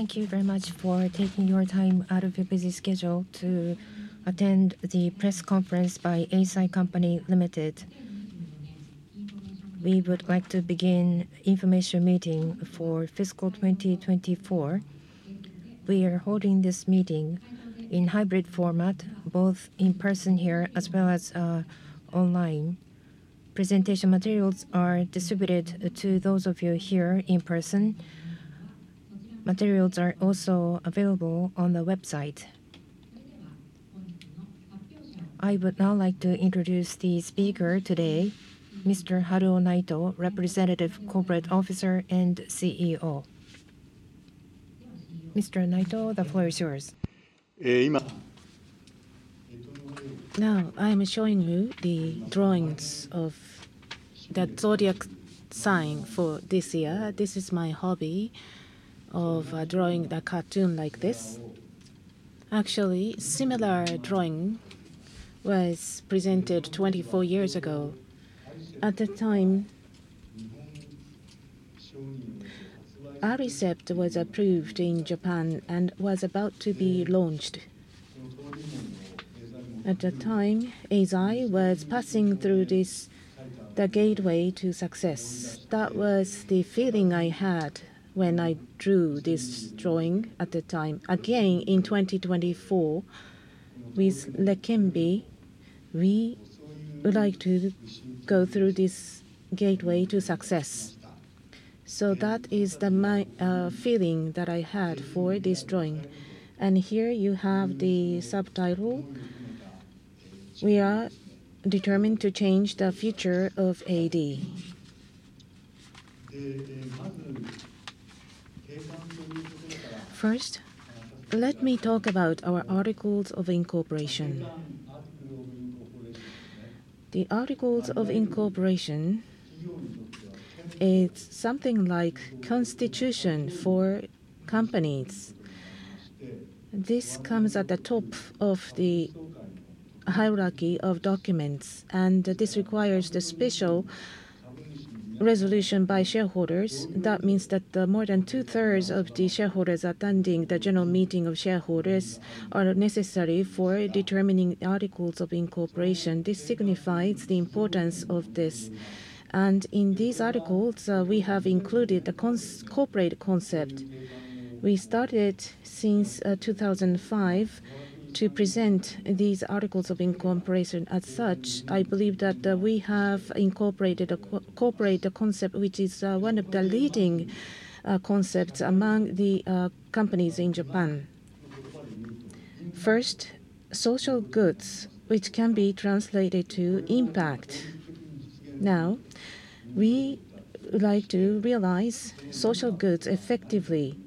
Thank you very much for taking your time out of your busy schedule to attend the press conference by Eisai Co., Ltd. We would like to begin information meeting for fiscal 2024. We are holding this meeting in hybrid format, both in person here as well as online. Presentation materials are distributed to those of you here in person. Materials are also available on the website. I would now like to introduce the speaker today, Mr. Haruo Naito, Representative Corporate Officer and CEO. Mr. Naito, the floor is yours. Now, I'm showing you the drawings of the zodiac sign for this year. This is my hobby of drawing the cartoon like this. Actually, similar drawing was presented 24 years ago. At the time, Aricept was approved in Japan and was about to be launched. At the time, Eisai was passing through this, the gateway to success. That was the feeling I had when I drew this drawing at the time. Again, in 2024, with LEQEMBI, we would like to go through this gateway to success. So that is my feeling that I had for this drawing. And here you have the subtitle: We are determined to change the future of AD. First, let me talk about our articles of incorporation. The articles of incorporation, it's something like constitution for companies. This comes at the top of the hierarchy of documents, and this requires the special resolution by shareholders. That means that more than two-thirds of the shareholders attending the general meeting of shareholders are necessary for determining articles of incorporation. This signifies the importance of this. And in these articles, we have included the corporate concept. We started since 2005 to present these articles of incorporation. As such, I believe that we have incorporated a corporate concept, which is one of the leading concepts among the companies in Japan. First, social goods, which can be translated to impact. Now, we would like to realize social goods effectively,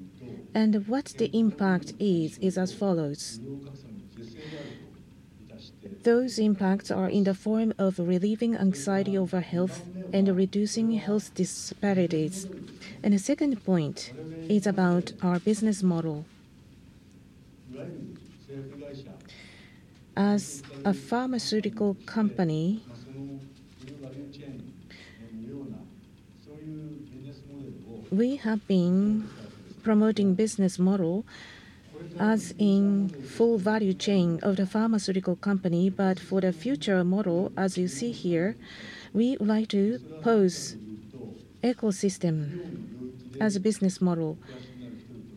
and what the impact is, is as follows. Those impacts are in the form of relieving anxiety over health and reducing health disparities. And the second point is about our business model. As a pharmaceutical company, we have been promoting business model as in full value chain of the pharmaceutical company. But for the future model, as you see here, we would like to pose ecosystem as a business model.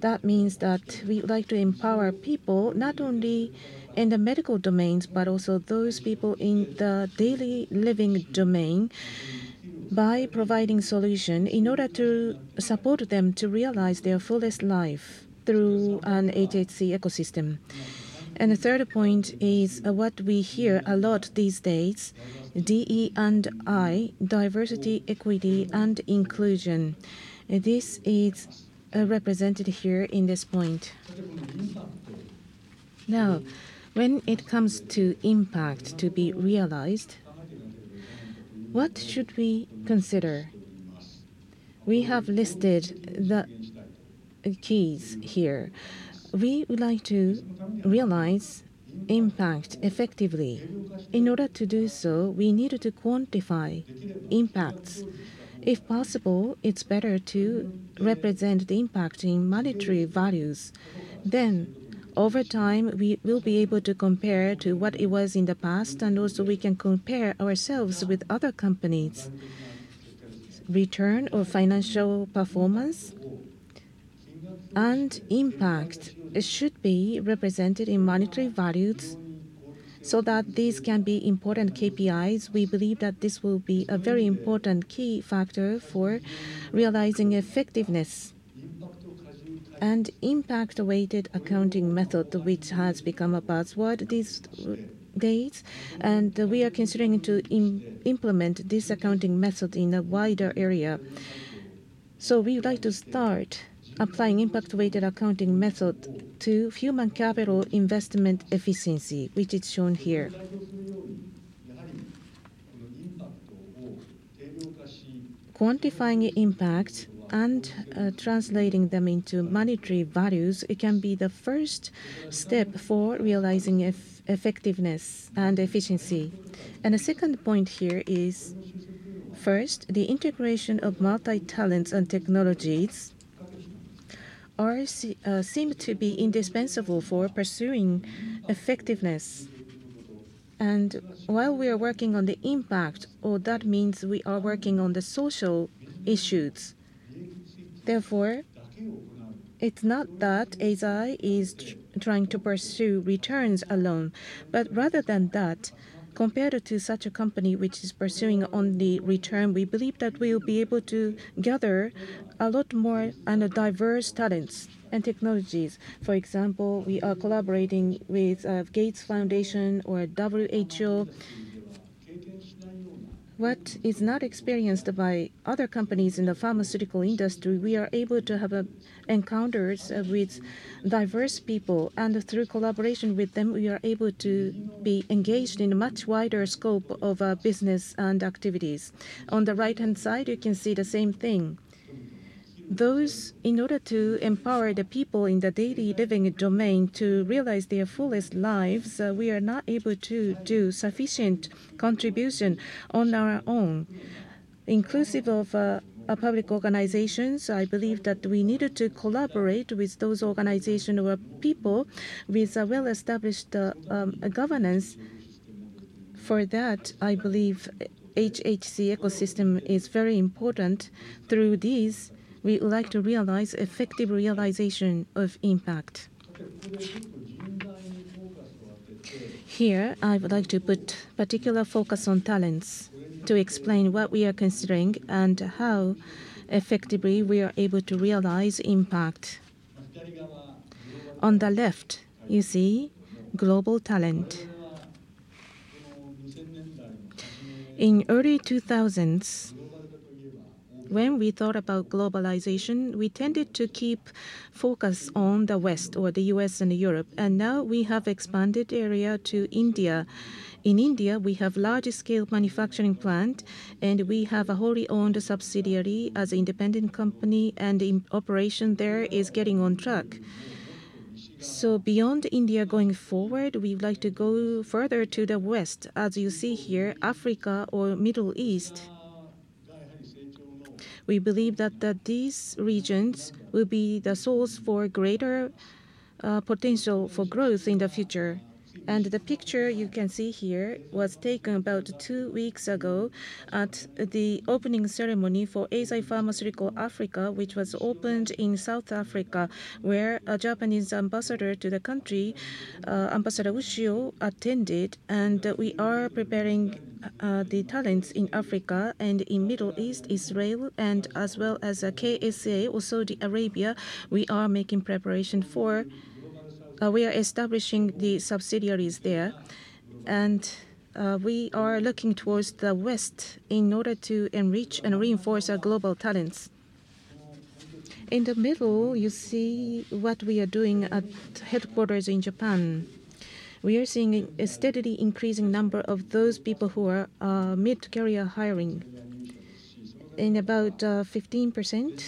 That means that we would like to empower people, not only in the medical domains, but also those people in the daily living domain, by providing solution in order to support them to realize their fullest life through an A to Z ecosystem. The third point is what we hear a lot these days, DE&I, diversity, equity, and inclusion. This is, represented here in this point. Now, when it comes to impact to be realized, what should we consider? We have listed the keys here. We would like to realize impact effectively. In order to do so, we need to quantify impacts. If possible, it's better to represent the impact in monetary values. Then, over time, we will be able to compare to what it was in the past, and also we can compare ourselves with other companies. Return or financial performance and impact, it should be represented in monetary values so that these can be important KPIs. We believe that this will be a very important key factor for realizing effectiveness. And impact-weighted accounting method, which has become a buzzword these days, and we are considering to implement this accounting method in a wider area. So we would like to start applying impact-weighted accounting method to human capital investment efficiency, which is shown here. Quantifying impact and translating them into monetary values, it can be the first step for realizing effectiveness and efficiency. And the second point here is... First, the integration of multi-talents and technologies seem to be indispensable for pursuing effectiveness. While we are working on the impact, or that means we are working on the social issues, therefore, it's not that Eisai is trying to pursue returns alone. Rather than that, compared to such a company which is pursuing only return, we believe that we'll be able to gather a lot more and diverse talents and technologies. For example, we are collaborating with Gates Foundation or WHO. What is not experienced by other companies in the pharmaceutical industry, we are able to have encounters with diverse people, and through collaboration with them, we are able to be engaged in a much wider scope of business and activities. On the right-hand side, you can see the same thing. In order to empower the people in the daily living domain to realize their fullest lives, we are not able to do sufficient contribution on our own. Inclusive of public organizations, I believe that we needed to collaborate with those organization or people with a well-established governance. For that, I believe hhc ecosystem is very important. Through these, we would like to realize effective realization of impact. Here, I would like to put particular focus on talents to explain what we are considering and how effectively we are able to realize impact. On the left, you see global talent. In early 2000s, when we thought about globalization, we tended to keep focus on the West or the U.S. and Europe, and now we have expanded area to India. In India, we have large-scale manufacturing plant, and we have a wholly owned subsidiary as independent company, and the operation there is getting on track. So beyond India, going forward, we would like to go further to the West. As you see here, Africa or Middle East. We believe that, that these regions will be the source for greater potential for growth in the future. And the picture you can see here was taken about two weeks ago at the opening ceremony for Eisai Pharmaceuticals Africa, which was opened in South Africa, where a Japanese ambassador to the country, Ambassador Ushio, attended. And we are preparing the talents in Africa and in Middle East, Israel, and as well as KSA or Saudi Arabia, we are making preparation for. We are establishing the subsidiaries there. We are looking towards the West in order to enrich and reinforce our global talents. In the middle, you see what we are doing at headquarters in Japan. We are seeing a steadily increasing number of those people who are mid-career hiring. In about 15%,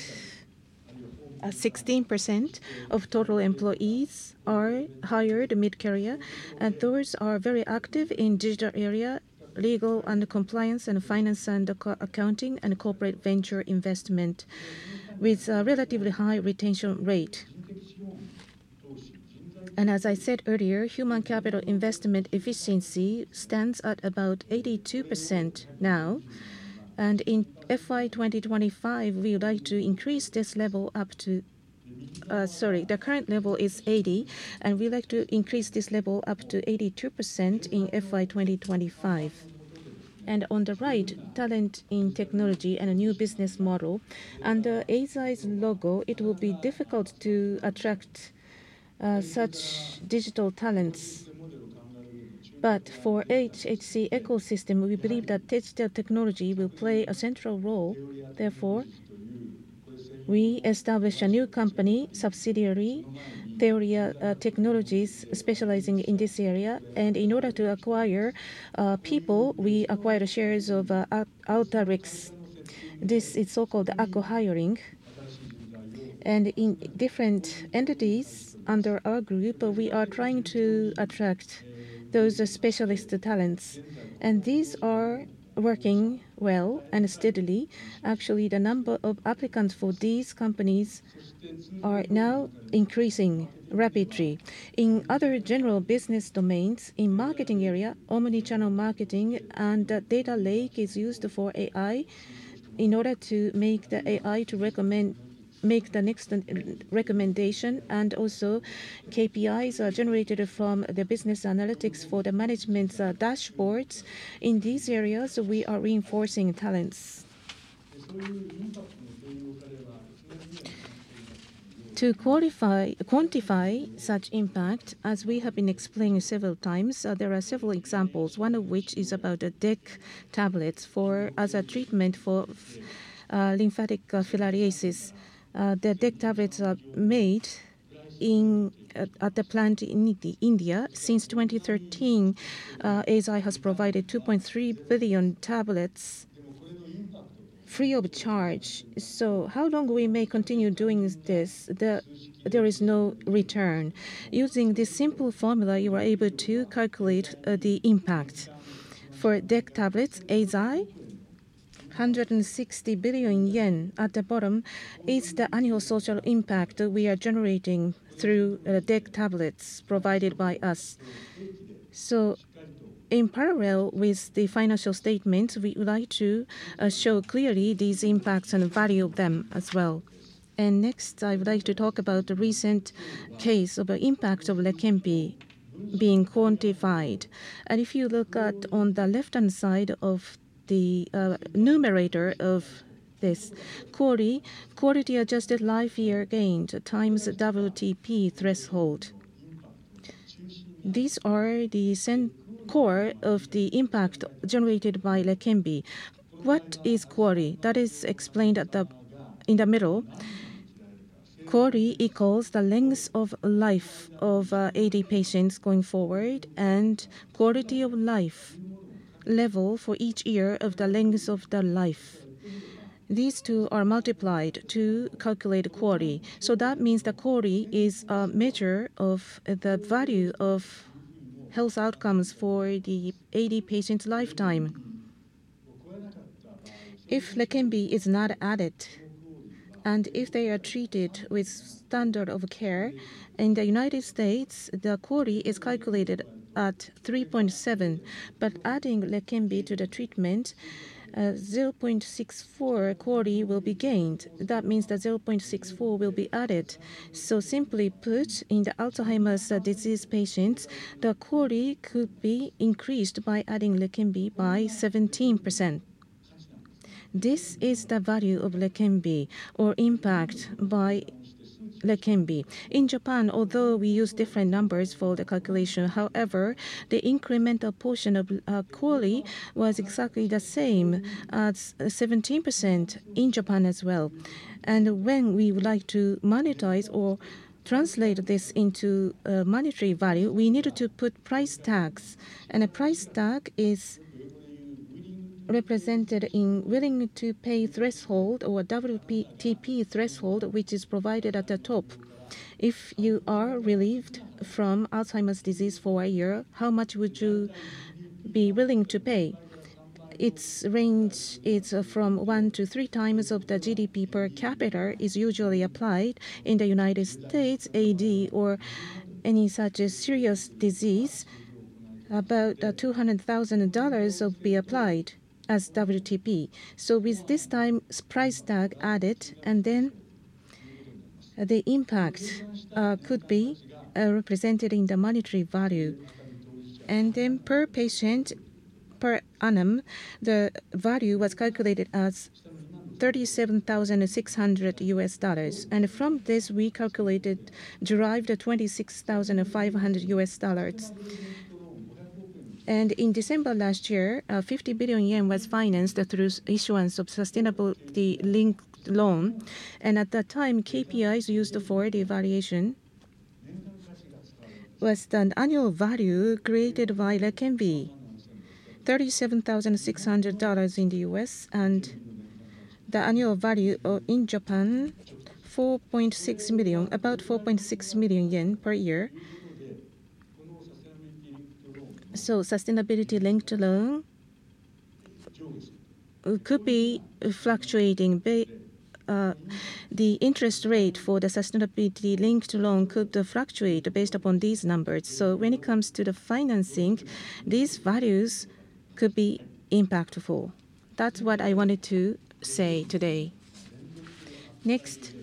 16% of total employees are hired mid-career, and those are very active in digital area, legal and compliance, and finance and accounting, and corporate venture investment, with a relatively high retention rate. And as I said earlier, human capital investment efficiency stands at about 82% now, and in FY 2025, we would like to increase this level up to... Sorry, the current level is 80, and we'd like to increase this level up to 82% in FY 2025. And on the right, talent in technology and a new business model. Under Eisai's logo, it will be difficult to attract such digital talents. But for hhc ecosystem, we believe that digital technology will play a central role. Therefore, we established a new company, subsidiary, Theoria technologies, specializing in this area. And in order to acquire people, we acquired shares of Arteryex. This is so-called acqui-hiring. And in different entities under our group, we are trying to attract those specialist talents, and these are working well and steadily. Actually, the number of applicants for these companies are now increasing rapidly. In other general business domains, in marketing area, omni-channel marketing and data lake is used for AI in order to make the AI to recommend-make the next recommendation, and also KPIs are generated from the business analytics for the management's dashboards. In these areas, we are reinforcing talents. To quantify such impact, as we have been explaining several times, there are several examples, one of which is about DEC tablets as a treatment for lymphatic filariasis. The DEC tablets are made at the plant in India. Since 2013, Eisai has provided 2.3 billion tablets free of charge. So how long we may continue doing this? There is no return. Using this simple formula, you are able to calculate the impact. For DEC tablets, 160 billion yen. At the bottom is the annual social impact that we are generating through DEC tablets provided by us. So in parallel with the financial statements, we would like to show clearly these impacts and the value of them as well. And next, I would like to talk about the recent case of the impact of LEQEMBI being quantified. And if you look at on the left-hand side of the numerator of this QALY, Quality-Adjusted Life Year gained times WTP threshold. These are the same core of the impact generated by LEQEMBI. What is QALY? That is explained in the middle. QALY equals the length of life of AD patients going forward, and quality of life level for each year of the length of their life. These two are multiplied to calculate QALY. So that means the QALY is a measure of the value of health outcomes for the AD patient's lifetime. If LEQEMBI is not added, and if they are treated with standard of care, in the United States, the QALY is calculated at 3.7. But adding LEQEMBI to the treatment, 0.64 QALY will be gained. That means that 0.64 will be added. So simply put, in the Alzheimer's disease patients, the QALY could be increased by adding LEQEMBI by 17%. This is the value of LEQEMBI or impact by LEQEMBI. In Japan, although we use different numbers for the calculation, however, the incremental portion of QALY was exactly the same, 17% in Japan as well. And when we would like to monetize or translate this into a monetary value, we needed to put price tags. And a price tag is represented in willing to pay threshold or WTP threshold, which is provided at the top. If you are relieved from Alzheimer's disease for a year, how much would you be willing to pay? Its range is from one to three times of the GDP per capita is usually applied. In the United States, AD or any such a serious disease, about two hundred thousand dollars will be applied as WTP. So with this time, price tag added, and then the impact could be represented in the monetary value. And then per patient, per annum, the value was calculated as $37,600. And from this, we calculated, derived the $26,500. And in December last year, 50 billion yen was financed through issuance of sustainability-linked loan. And at that time, KPIs used for the evaluation was the annual value created by LEQEMBI, $37,600 in the US, and the annual value of, in Japan, 4.6 million, about 4.6 million yen per year. So sustainability-linked loan could be fluctuating, the interest rate for the sustainability-linked loan could fluctuate based upon these numbers. So when it comes to the financing, these values could be impactful. That's what I wanted to say today. Next,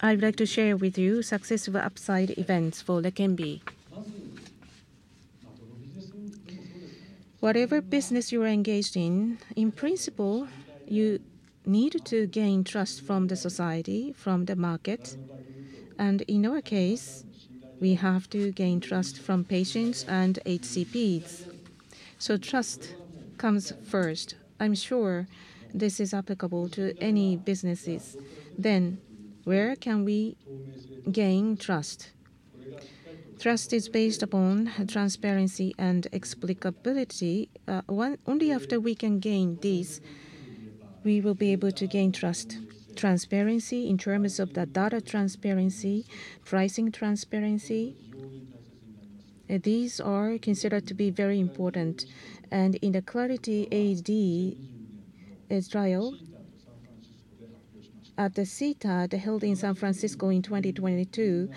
I would like to share with you successful upside events for LEQEMBI. Whatever business you are engaged in, in principle, you need to gain trust from the society, from the market. And in our case, we have to gain trust from patients and HCPs. So trust comes first. I'm sure this is applicable to any businesses. Then, where can we gain trust? Trust is based upon transparency and explainability. Only after we can gain these, we will be able to gain trust. Transparency in terms of the data transparency, pricing transparency, these are considered to be very important. And in the Clarity AD trial at the CTAD, held in San Francisco in 2022,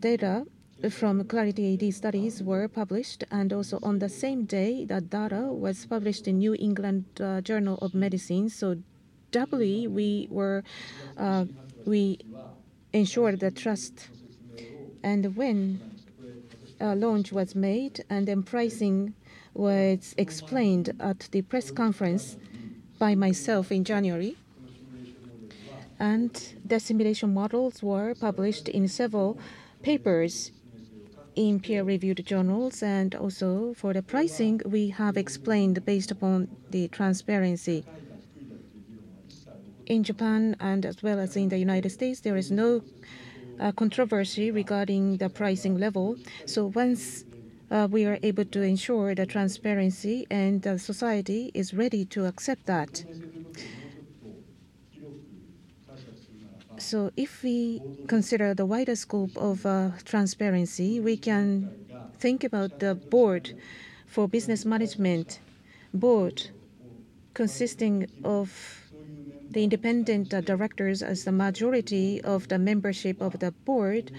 data from Clarity AD studies were published, and also on the same day, that data was published in New England Journal of Medicine. So doubly, we were, we ensured the trust. And when a launch was made, and then pricing was explained at the press conference by myself in January, and the simulation models were published in several papers, in peer-reviewed journals, and also for the pricing, we have explained based upon the transparency in Japan and as well as in the United States, there is no controversy regarding the pricing level. So once, we are able to ensure the transparency and the society is ready to accept that. So if we consider the wider scope of transparency, we can think about the board for business management. Board consisting of the independent, directors as the majority of the membership of the board,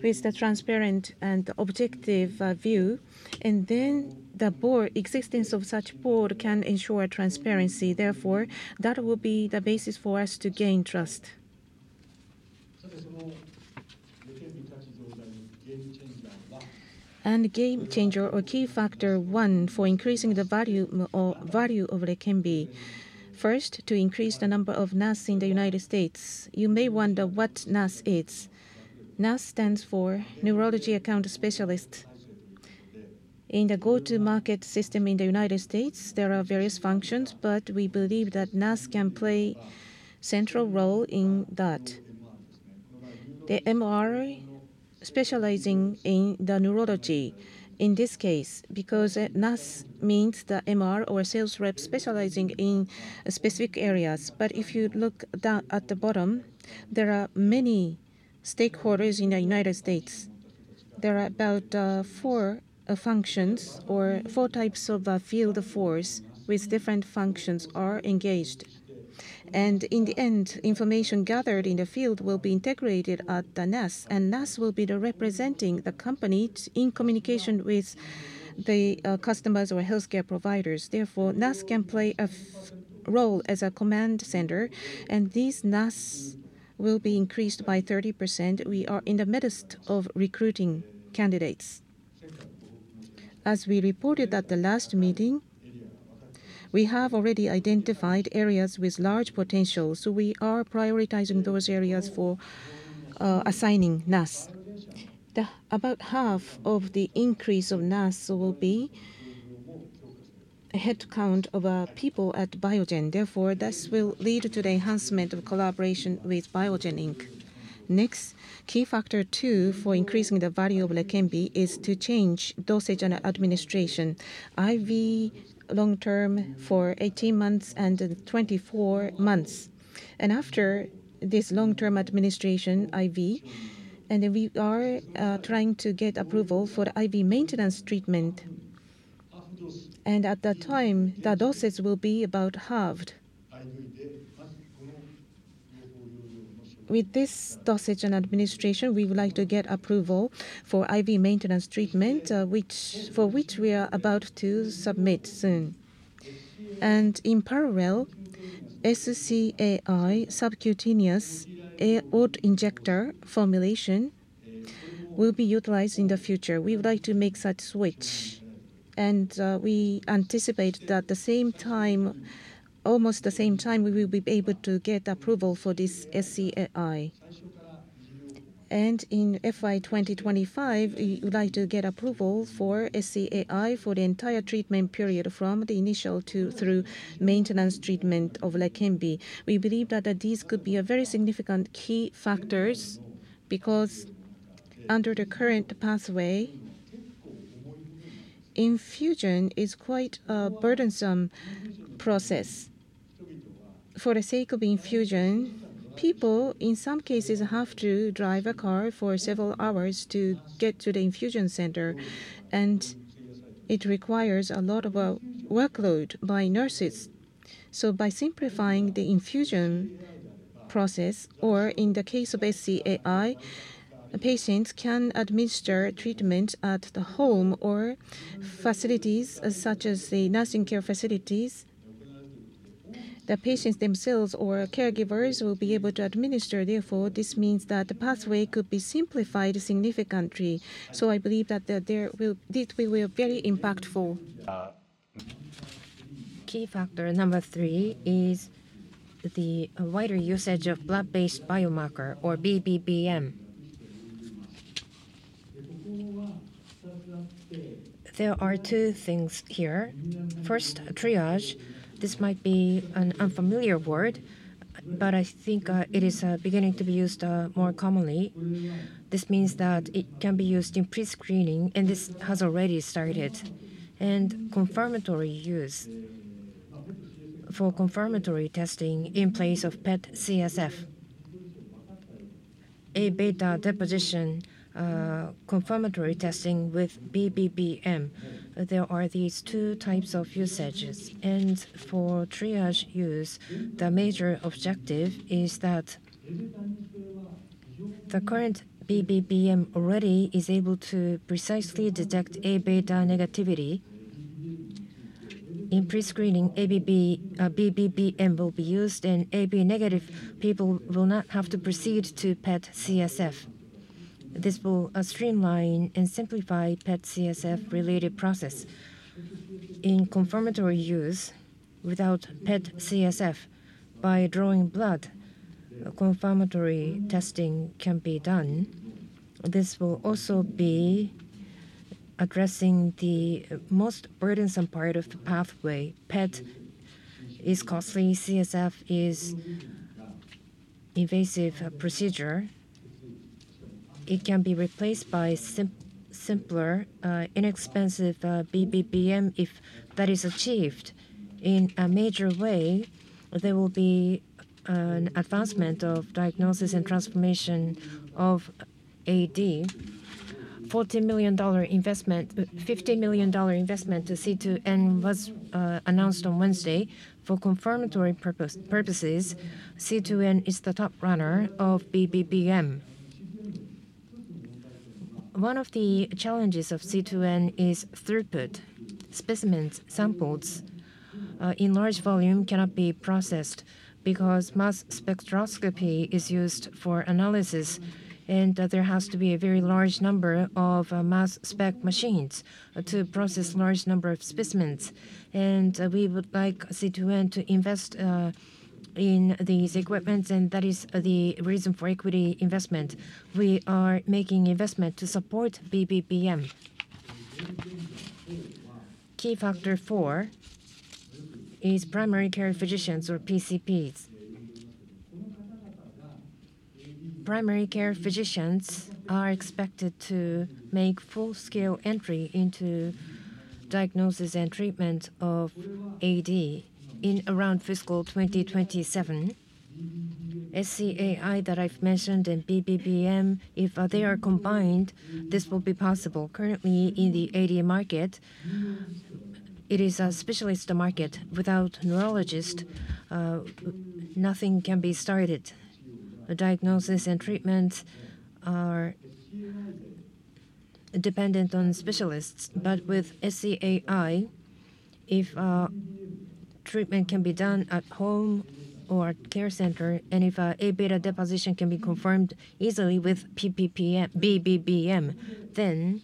with the transparent and objective view. And then the board's existence of such board can ensure transparency, therefore, that will be the basis for us to gain trust. Game changer or key factor one for increasing the value or value of LEQEMBI. First, to increase the number of NAS in the United States. You may wonder what NAS is. NAS stands for Neurology Account Specialist. In the go-to-market system in the United States, there are various functions, but we believe that NAS can play central role in that. The MR specializing in the neurology in this case, because a NAS means the MR or sales rep specializing in specific areas. But if you look down at the bottom, there are many stakeholders in the United States. There are about four functions or four types of field force with different functions are engaged. In the end, information gathered in the field will be integrated at the NAS, and NAS will be representing the company in communication with the customers or healthcare providers. Therefore, NAS can play a role as a command center, and these NAS will be increased by 30%. We are in the midst of recruiting candidates. As we reported at the last meeting, we have already identified areas with large potential, so we are prioritizing those areas for assigning NAS. About half of the increase of NAS will be a headcount of people at Biogen. Therefore, this will lead to the enhancement of collaboration with Biogen Inc. Next, key factor 2 for increasing the value of LEQEMBI is to change dosage and administration. IV long-term for 18 months and then 24 months. After this long-term administration IV, and then we are trying to get approval for IV maintenance treatment. And at that time, the dosage will be about halved. With this dosage and administration, we would like to get approval for IV maintenance treatment, for which we are about to submit soon. And in parallel, SC-AI, subcutaneous auto-injector formulation, will be utilized in the future. We would like to make such switch, and we anticipate that the same time, almost the same time, we will be able to get approval for this SC-AI. And in FY 2025, we would like to get approval for SC-AI for the entire treatment period, from the initial to through maintenance treatment of LEQEMBI. We believe that these could be very significant key factors, because under the current pathway, infusion is quite a burdensome process. For the sake of infusion, people, in some cases, have to drive a car for several hours to get to the infusion center, and it requires a lot of workload by nurses. So by simplifying the infusion process, or in the case of SC-AI, a patient can administer treatment at the home or facilities, such as the nursing care facilities. The patients themselves or caregivers will be able to administer, therefore, this means that the pathway could be simplified significantly. So I believe that this will be very impactful. Key factor number three is the wider usage of blood-based biomarker, or BBM. There are two things here. First, triage, this might be an unfamiliar word, but I think it is beginning to be used more commonly. This means that it can be used in pre-screening, and this has already started. And confirmatory use. For confirmatory testing in place of PET CSF. Aβ deposition, confirmatory testing with BBM. There are these two types of usages. And for triage use, the major objective is that the current BBM already is able to precisely detect Aβ negativity. In pre-screening, Aβ BBM will be used, and Aβ negative people will not have to proceed to PET CSF. This will streamline and simplify PET CSF related process. In confirmatory use, without PET CSF, by drawing blood, confirmatory testing can be done. This will also be addressing the most burdensome part of the pathway. PET is costly, CSF is invasive procedure. It can be replaced by simpler, inexpensive BBM. If that is achieved in a major way, there will be an advancement of diagnosis and transformation of AD. $40 million investment, $50 million investment to C2N was announced on Wednesday. For confirmatory purposes, C2N is the top runner of BBM. One of the challenges of C2N is throughput. Specimens, samples in large volume cannot be processed because mass spectrometry is used for analysis, and there has to be a very large number of mass spec machines to process large number of specimens. And we would like C2N to invest in these equipment, and that is the reason for equity investment. We are making investment to support BBM. Key factor 4 is primary care physicians or PCPs. Primary care physicians are expected to make full-scale entry into diagnosis and treatment of AD in around fiscal 2027. SC-AI, that I've mentioned, and BBM, if they are combined, this will be possible. Currently, in the AD market, it is a specialist market. Without neurologist, nothing can be started. Diagnosis and treatments are dependent on specialists. But with SC-AI, if treatment can be done at home or at care center, and if A-beta deposition can be confirmed easily with BBM, then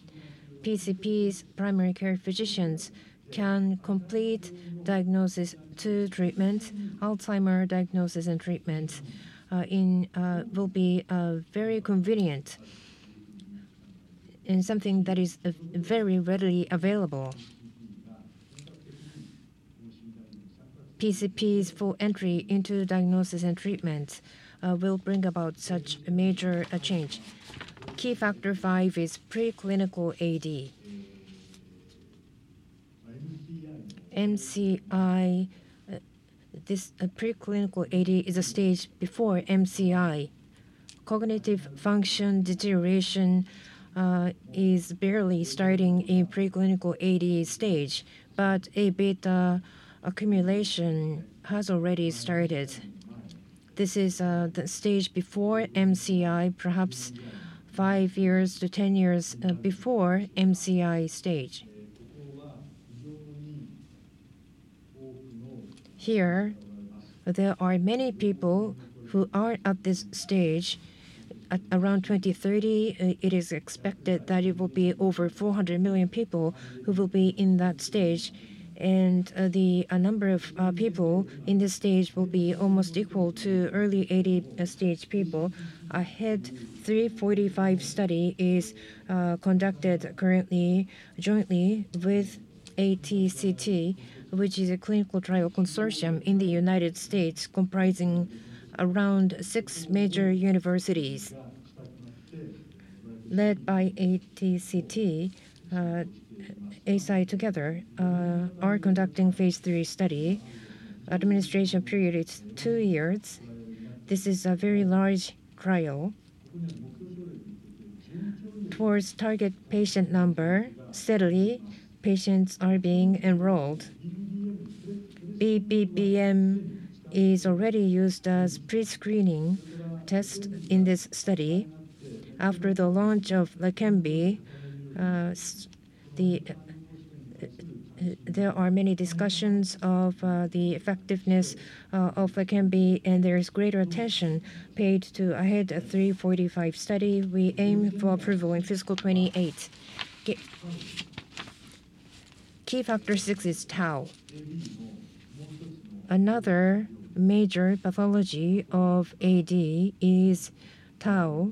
PCPs, primary care physicians, can complete diagnosis to treatment. Alzheimer's diagnosis and treatment in will be very convenient and something that is very readily available. PCPs full entry into diagnosis and treatment will bring about such a major change. Key factor 5 is preclinical AD. MCI, this, preclinical AD is a stage before MCI. Cognitive function deterioration is barely starting in preclinical AD stage, but A-beta accumulation has already started. This is the stage before MCI, perhaps 5 years to 10 years before MCI stage. Here, there are many people who are at this stage. At around 2030, it is expected that it will be over 400 million people who will be in that stage, and the number of people in this stage will be almost equal to early AD stage people. AHEAD 3-45 study is conducted currently jointly with ACTC, which is a clinical trial consortium in the United States, comprising around 6 major universities. Led by ACTC, Eisai together are conducting phase 3 study. Administration period is 2 years. This is a very large trial. Towards target patient number, steadily, patients are being enrolled. BBM is already used as pre-screening test in this study. After the launch of LEQEMBI, there are many discussions of the effectiveness of LEQEMBI, and there is greater attention paid to AHEAD 3-45 study. We aim for approval in fiscal 2028. Key factor six is tau. Another major pathology of AD is tau.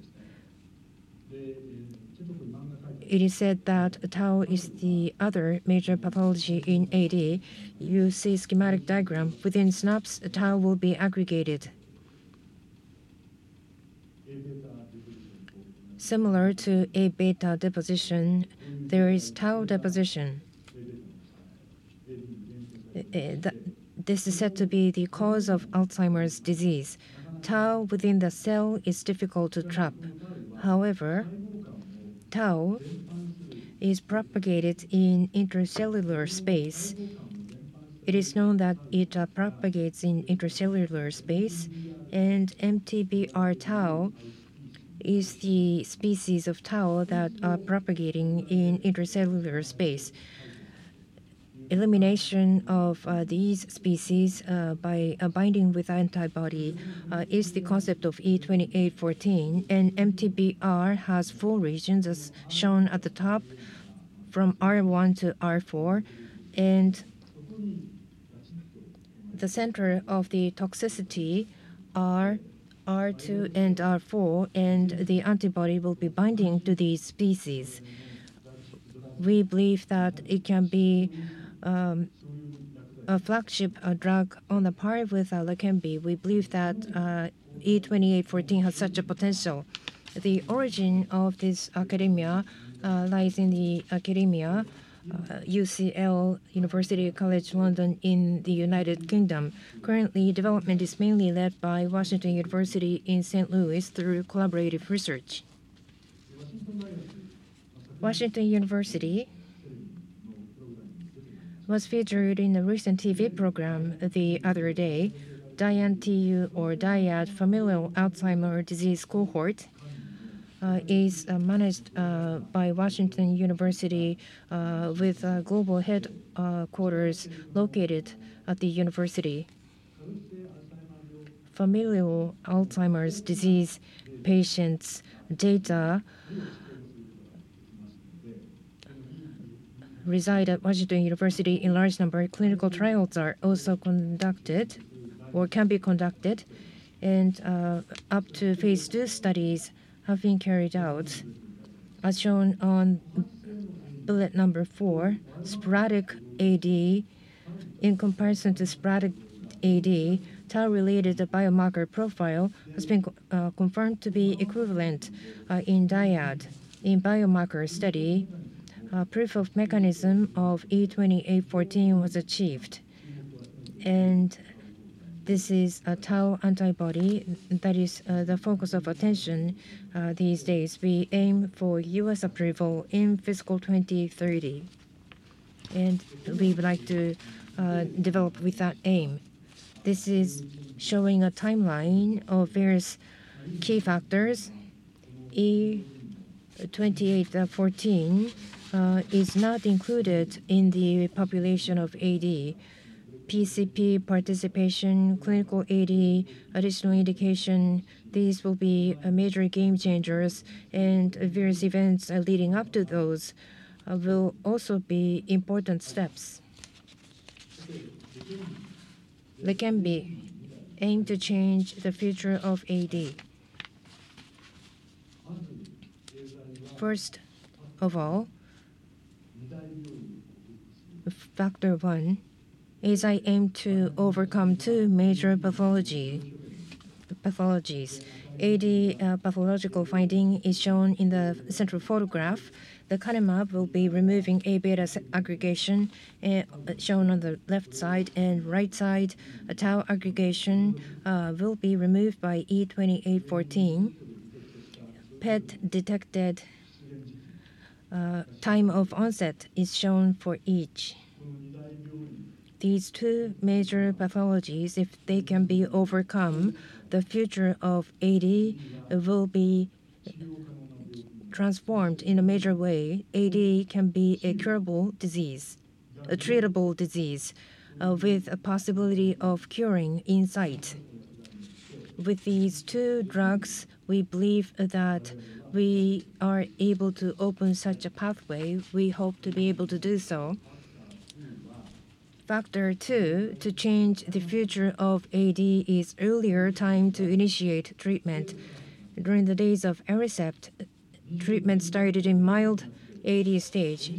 It is said that tau is the other major pathology in AD. You see schematic diagram. Within synapse, a tau will be aggregated. Similar to Aβ deposition, there is tau deposition. This is said to be the cause of Alzheimer's disease. Tau within the cell is difficult to trap. However, tau is propagated in intercellular space. It is known that it propagates in intercellular space, and MTBR tau is the species of tau that are propagating in intercellular space. Elimination of these species by binding with antibody is the concept of E2814, and MTBR has four regions, as shown at the top, from R1 to R4, and the center of the toxicity are R2 and R4, and the antibody will be binding to these species. We believe that it can be a flagship, a drug on par with LEQEMBI. We believe that E2814 has such a potential. The origin of this academia lies in the academia, UCL, University College London, in the United Kingdom. Currently, development is mainly led by Washington University in St. Louis through collaborative research. Washington University was featured in a recent TV program the other day. DIAN-TU or DIAD Familial Alzheimer's Disease Cohort is managed by Washington University with global headquarters located at the university. Familial Alzheimer's disease patients' data reside at Washington University in large number. Clinical trials are also conducted or can be conducted, and up to phase 2 studies have been carried out. As shown on bullet number 4, sporadic AD. In comparison to sporadic AD, tau-related biomarker profile has been confirmed to be equivalent in DIAD. In biomarker study, a proof of mechanism of E2814 was achieved, and this is a tau antibody that is the focus of attention these days. We aim for U.S. approval in fiscal 2030, and we would like to develop with that aim. This is showing a timeline of various key factors. E2814 is not included in the population of AD. PCP participation, clinical AD, additional indication, these will be a major game changers, and various events leading up to those will also be important steps. LEQEMBI aim to change the future of AD. First of all, factor one is I aim to overcome two major pathology, pathologies. AD pathological finding is shown in the central photograph. Lecanemab will be removing A-beta aggregation shown on the left side and right side. A tau aggregation will be removed by E2814. PET-detected time of onset is shown for each. These two major pathologies, if they can be overcome, the future of AD will be transformed in a major way. AD can be a curable disease, a treatable disease with a possibility of curing in sight. With these two drugs, we believe that we are able to open such a pathway. We hope to be able to do so. Factor two, to change the future of AD, is earlier time to initiate treatment. During the days of Aricept, treatment started in mild AD stage.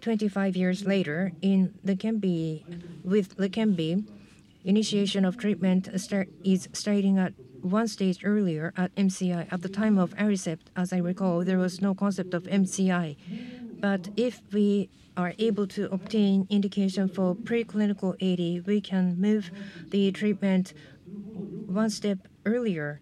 25 years later, in LEQEMBI, with LEQEMBI, initiation of treatment is starting at one stage earlier, at MCI. At the time of Aricept, as I recall, there was no concept of MCI. But if we are able to obtain indication for preclinical AD, we can move the treatment one step earlier.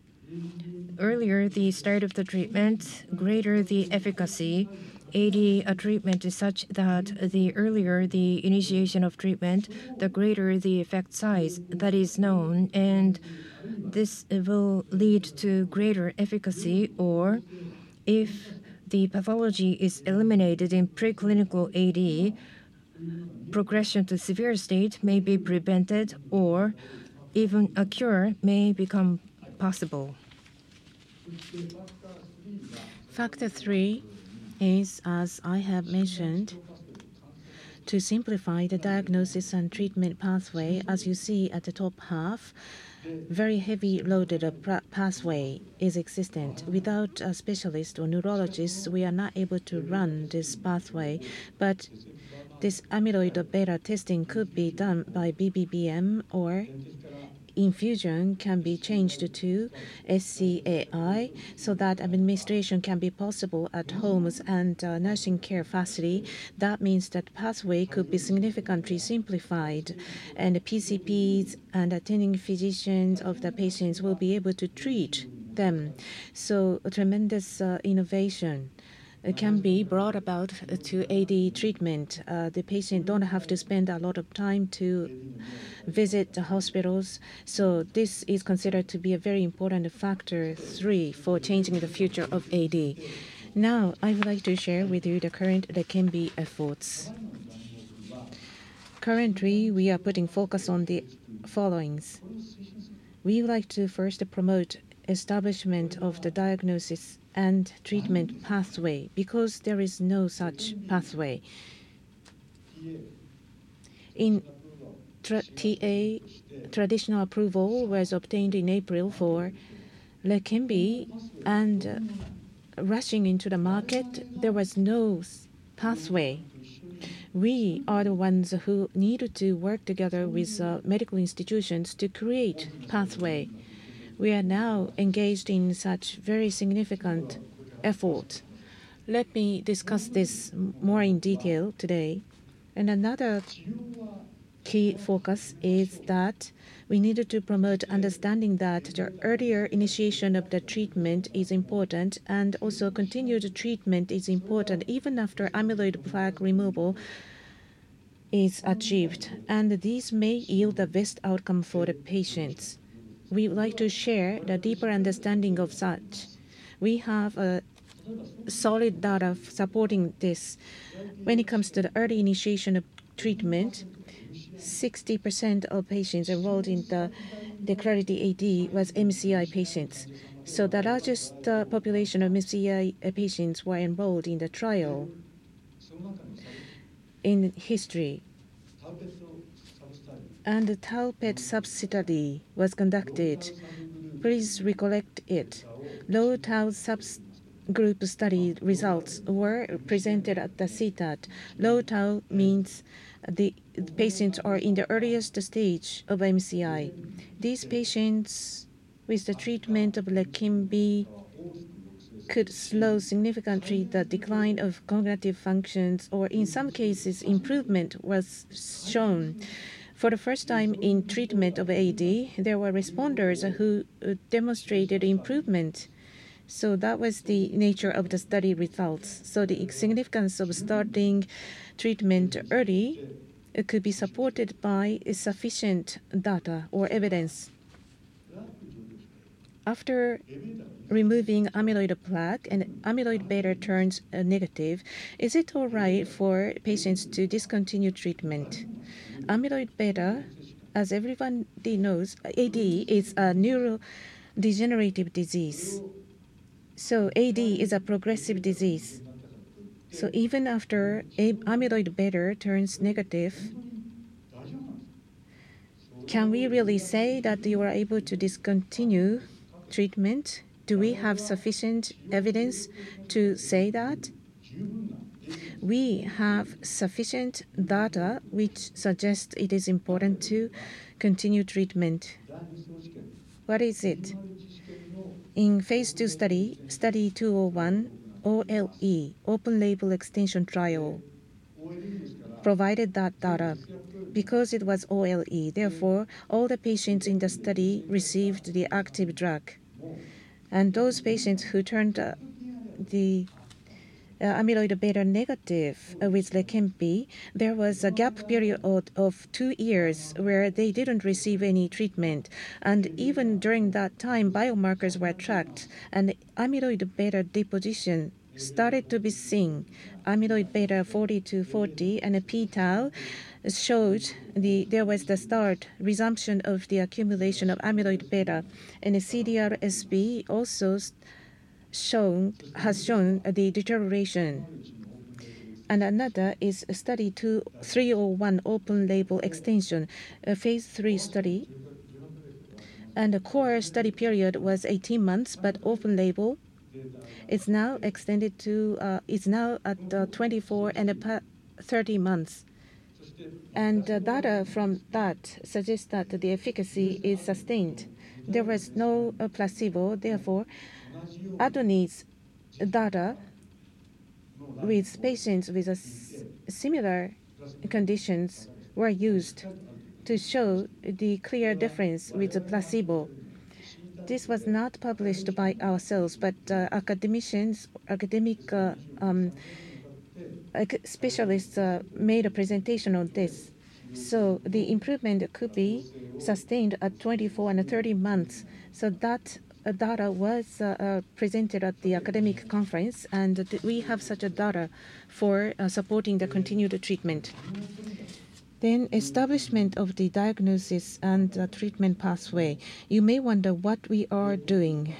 Earlier the start of the treatment, greater the efficacy. AD treatment is such that the earlier the initiation of treatment, the greater the effect size. That is known, and this will lead to greater efficacy. Or if the pathology is eliminated in preclinical AD, progression to severe state may be prevented, or even a cure may become possible. Factor three is, as I have mentioned, to simplify the diagnosis and treatment pathway. As you see at the top half, very heavily loaded prior pathway is existent. Without a specialist or neurologist, we are not able to run this pathway, but this amyloid beta testing could be done by BBM, or infusion can be changed to SC-AI, so that administration can be possible at homes and nursing care facility. That means that pathway could be significantly simplified, and the PCPs and attending physicians of the patients will be able to treat them. So a tremendous innovation can be brought about to AD treatment. The patient don't have to spend a lot of time to visit the hospitals, so this is considered to be a very important factor three for changing the future of AD. Now, I would like to share with you the current LEQEMBI efforts. Currently, we are putting focus on the followings we would like to first promote establishment of the diagnosis and treatment pathway, because there is no such pathway. In traditional approval, traditional approval was obtained in April for LEQEMBI, and rushing into the market, there was no such pathway. We are the ones who need to work together with medical institutions to create pathway. We are now engaged in such very significant effort. Let me discuss this more in detail today. And another key focus is that we needed to promote understanding that the earlier initiation of the treatment is important, and also continued treatment is important, even after amyloid plaque removal is achieved, and this may yield the best outcome for the patients. We would like to share the deeper understanding of such. We have solid data supporting this. When it comes to the early initiation of treatment, 60% of patients enrolled in the, the Clarity AD was MCI patients. So the largest population of MCI patients were enrolled in the trial in history. And the Tau PET substudy was conducted. Please recollect it. Low Tau subgroup study results were presented at the CTAD. Low Tau means the, the patients are in the earliest stage of MCI. These patients, with the treatment of LEQEMBI, could slow significantly the decline of cognitive functions, or in some cases, improvement was shown. For the first time in treatment of AD, there were responders who demonstrated improvement. So that was the nature of the study results. So the significance of starting treatment early, it could be supported by sufficient data or evidence. After removing amyloid plaque and amyloid beta turns negative, is it all right for patients to discontinue treatment? Amyloid beta, as everybody knows, AD is a neurodegenerative disease, so AD is a progressive disease. So even after amyloid beta turns negative, can we really say that you are able to discontinue treatment? Do we have sufficient evidence to say that? We have sufficient data which suggests it is important to continue treatment. What is it? In phase 2 study, study 201, OLE, open label extension trial, provided that data because it was OLE. Therefore, all the patients in the study received the active drug. And those patients who turned the amyloid beta negative with LEQEMBI, there was a gap period of 2 years where they didn't receive any treatment. Even during that time, biomarkers were tracked, and the amyloid beta deposition started to be seen. Amyloid beta 40 to 42 and p-tau showed the start, resumption of the accumulation of amyloid beta, and the CDR-SB also has shown the deterioration. Another is a study 201, open label extension, a phase 3 study, and the core study period was 18 months, but open label is now extended to, is now at, 24 and 30 months. Data from that suggests that the efficacy is sustained. There was no placebo, therefore, ADNI's data with patients with similar conditions were used to show the clear difference with the placebo. This was not published by ourselves, but academicians, academic specialists made a presentation on this. So the improvement could be sustained at 24 and 30 months. So that data was presented at the academic conference, and we have such a data for supporting the continued treatment. Then establishment of the diagnosis and the treatment pathway. You may wonder what we are doing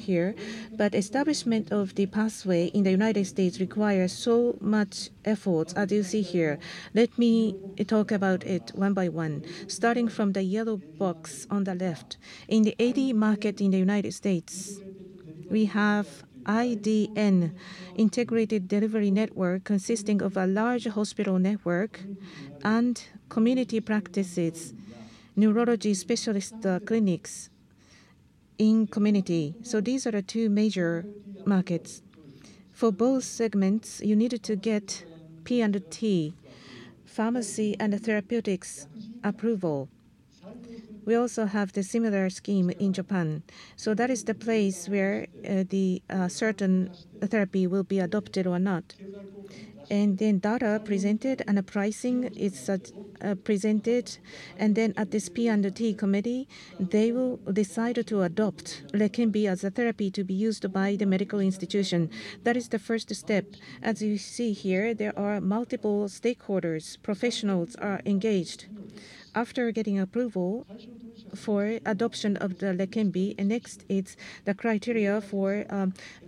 here, but establishment of the pathway in the United States requires so much effort, as you see here. Let me talk about it one by one, starting from the yellow box on the left. In the AD market in the United States, we have IDN, integrated delivery network, consisting of a large hospital network and community practices, neurology specialist clinics in community. So these are the two major markets. For both segments, you needed to get P&T, pharmacy and therapeutics approval. We also have the similar scheme in Japan. So that is the place where the certain therapy will be adopted or not. And then data presented and a pricing is presented, and then at this P&T committee, they will decide to adopt LEQEMBI as a therapy to be used by the medical institution. That is the first step. As you see here, there are multiple stakeholders, professionals are engaged, after getting approval for adoption of the LEQEMBI, and next, it's the criteria for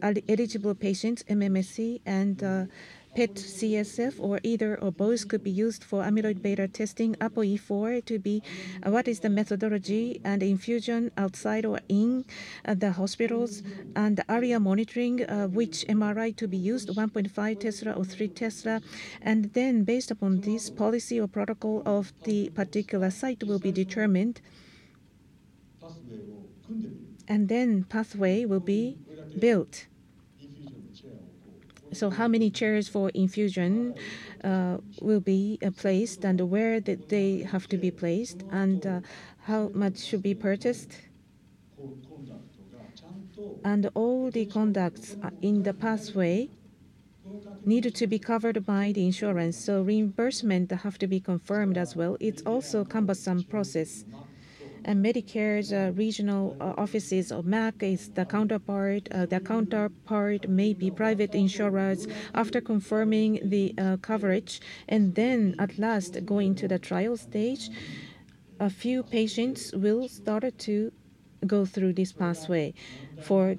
eligible patients, MMSE, and PET CSF, or either or both could be used for amyloid beta testing, APOE4 to be what is the methodology and infusion outside or in the hospitals, and ARIA monitoring, which MRI to be used, 1.5 Tesla or 3 Tesla. Then based upon this policy or protocol of the particular site will be determined, and then pathway will be built. So how many chairs for infusion will be placed, and where did they have to be placed, and how much should be purchased? And all the conducts in the pathway need to be covered by the insurance, so reimbursement have to be confirmed as well. It's also a cumbersome process. Medicare's regional offices or MAC is the counterpart. The counterpart may be private insurers. After confirming the coverage, and then at last, going to the trial stage, a few patients will start to go through this pathway for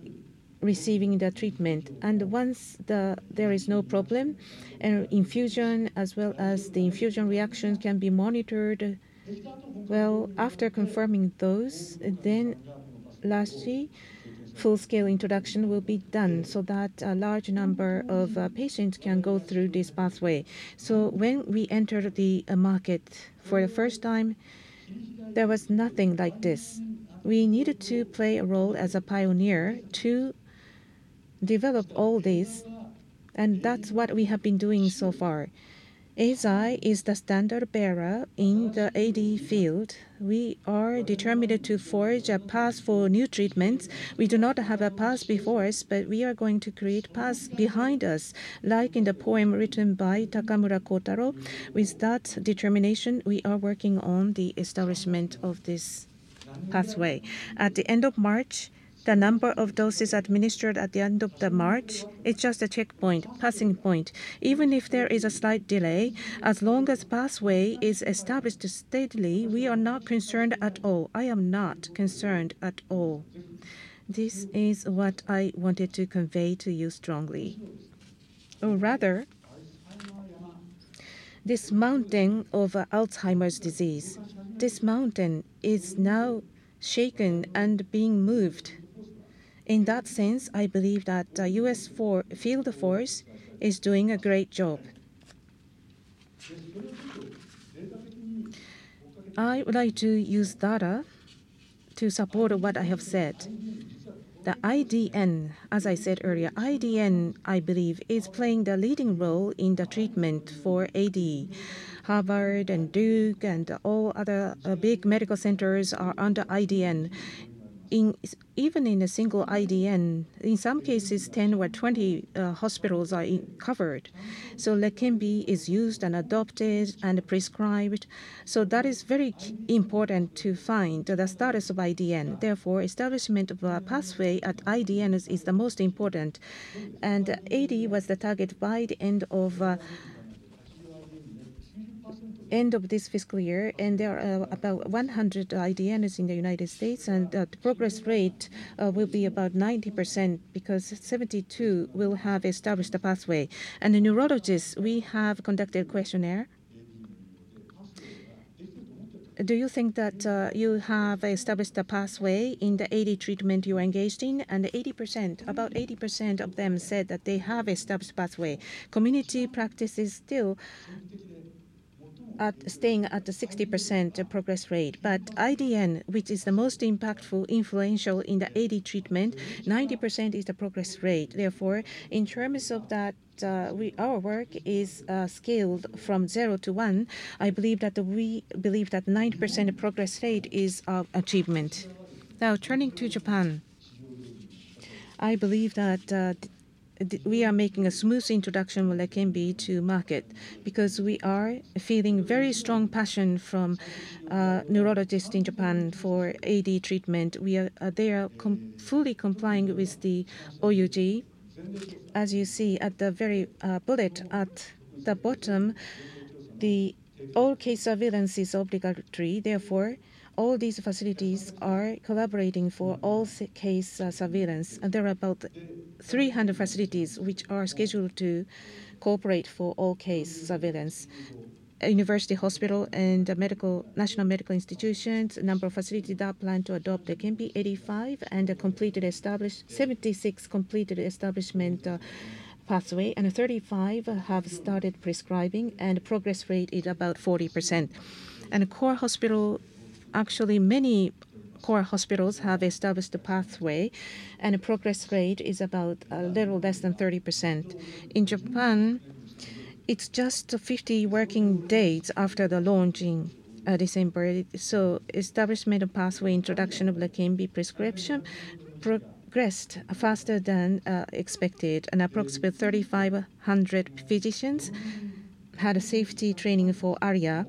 receiving the treatment. And once there is no problem, and infusion as well as the infusion reaction can be monitored, well, after confirming those, then lastly, full-scale introduction will be done so that a large number of patients can go through this pathway. So when we entered the market for the first time, there was nothing like this. We needed to play a role as a pioneer to develop all this, and that's what we have been doing so far. Eisai is the standard-bearer in the AD field. We are determined to forge a path for new treatments. We do not have a path before us, but we are going to create path behind us, like in the poem written by Takamura Kotaro. With that determination, we are working on the establishment of this pathway. At the end of March, the number of doses administered at the end of the March, it's just a checkpoint, passing point. Even if there is a slight delay, as long as pathway is established steadily, we are not concerned at all. I am not concerned at all. This is what I wanted to convey to you strongly. Or rather, this mountain of, Alzheimer's disease, this mountain is now shaken and being moved. In that sense, I believe that the US four-field force is doing a great job. I would like to use data to support what I have said. The IDN, as I said earlier, IDN, I believe, is playing the leading role in the treatment for AD. Harvard and Duke and all other, big medical centers are under IDN. Even in a single IDN, in some cases, 10 or 20 hospitals are covered. So LEQEMBI is used and adopted and prescribed, so that is very important to find the status of IDN. Therefore, establishment of a pathway at IDNs is the most important. AD was the target by the end of this fiscal year, and there are about 100 IDNs in the United States, and the progress rate will be about 90% because 72 will have established a pathway. The neurologists, we have conducted a questionnaire. "Do you think that you have established a pathway in the AD treatment you are engaged in?" And 80%, about 80% of them said that they have established pathway. Community practices still at, staying at the 60% progress rate. But IDN, which is the most impactful, influential in the AD treatment, 90% is the progress rate. Therefore, in terms of that, our work is scaled from 0 to 1. I believe that we believe that 90% progress rate is an achievement. Now, turning to Japan, I believe that we are making a smooth introduction with LEQEMBI to market, because we are feeling very strong passion from neurologists in Japan for AD treatment. We are, they are completely complying with the OUG. As you see at the very bullet at the bottom, the all-case surveillance is obligatory. Therefore, all these facilities are collaborating for all-case surveillance, and there are about 300 facilities which are scheduled to cooperate for all-case surveillance. University, hospital, and National medical institutions, number of facilities that plan to adopt LEQEMBI, 85, and 76 completed establishments of pathway, and 35 have started prescribing, and progress rate is about 40%. Core hospital, actually, many core hospitals have established a pathway, and a progress rate is about a little less than 30%. In Japan, it's just 50 working days after the launching, December. So establishment of pathway, introduction of LEQEMBI prescription progressed faster than expected, and approximately 3,500 physicians had a safety training for ARIA,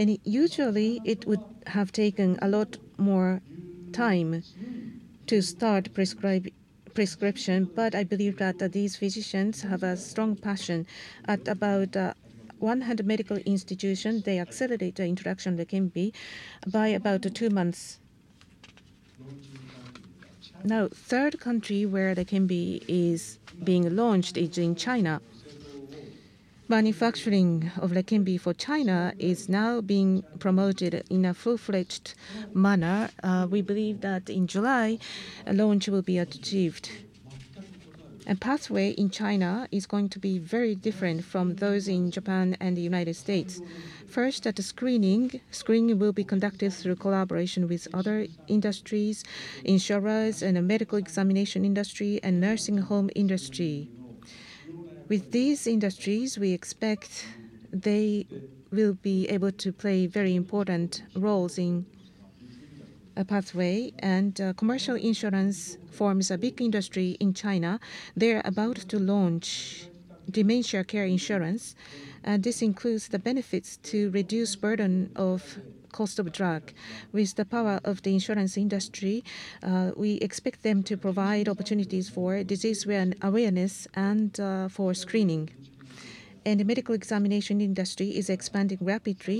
and usually, it would have taken a lot more time to start prescription, but I believe that these physicians have a strong passion. At about 100 medical institutions, they accelerate the introduction of LEQEMBI by about 2 months. Now, third country where LEQEMBI is being launched is in China. Manufacturing of LEQEMBI for China is now being promoted in a full-fledged manner. We believe that in July, a launch will be achieved. A pathway in China is going to be very different from those in Japan and the United States. First, at the screening, screening will be conducted through collaboration with other industries, insurers, and a medical examination industry, and nursing home industry. With these industries, we expect they will be able to play very important roles in a pathway. Commercial insurance forms a big industry in China. They're about to launch dementia care insurance, and this includes the benefits to reduce burden of cost of drug. With the power of the insurance industry, we expect them to provide opportunities for disease awareness and for screening. The medical examination industry is expanding rapidly.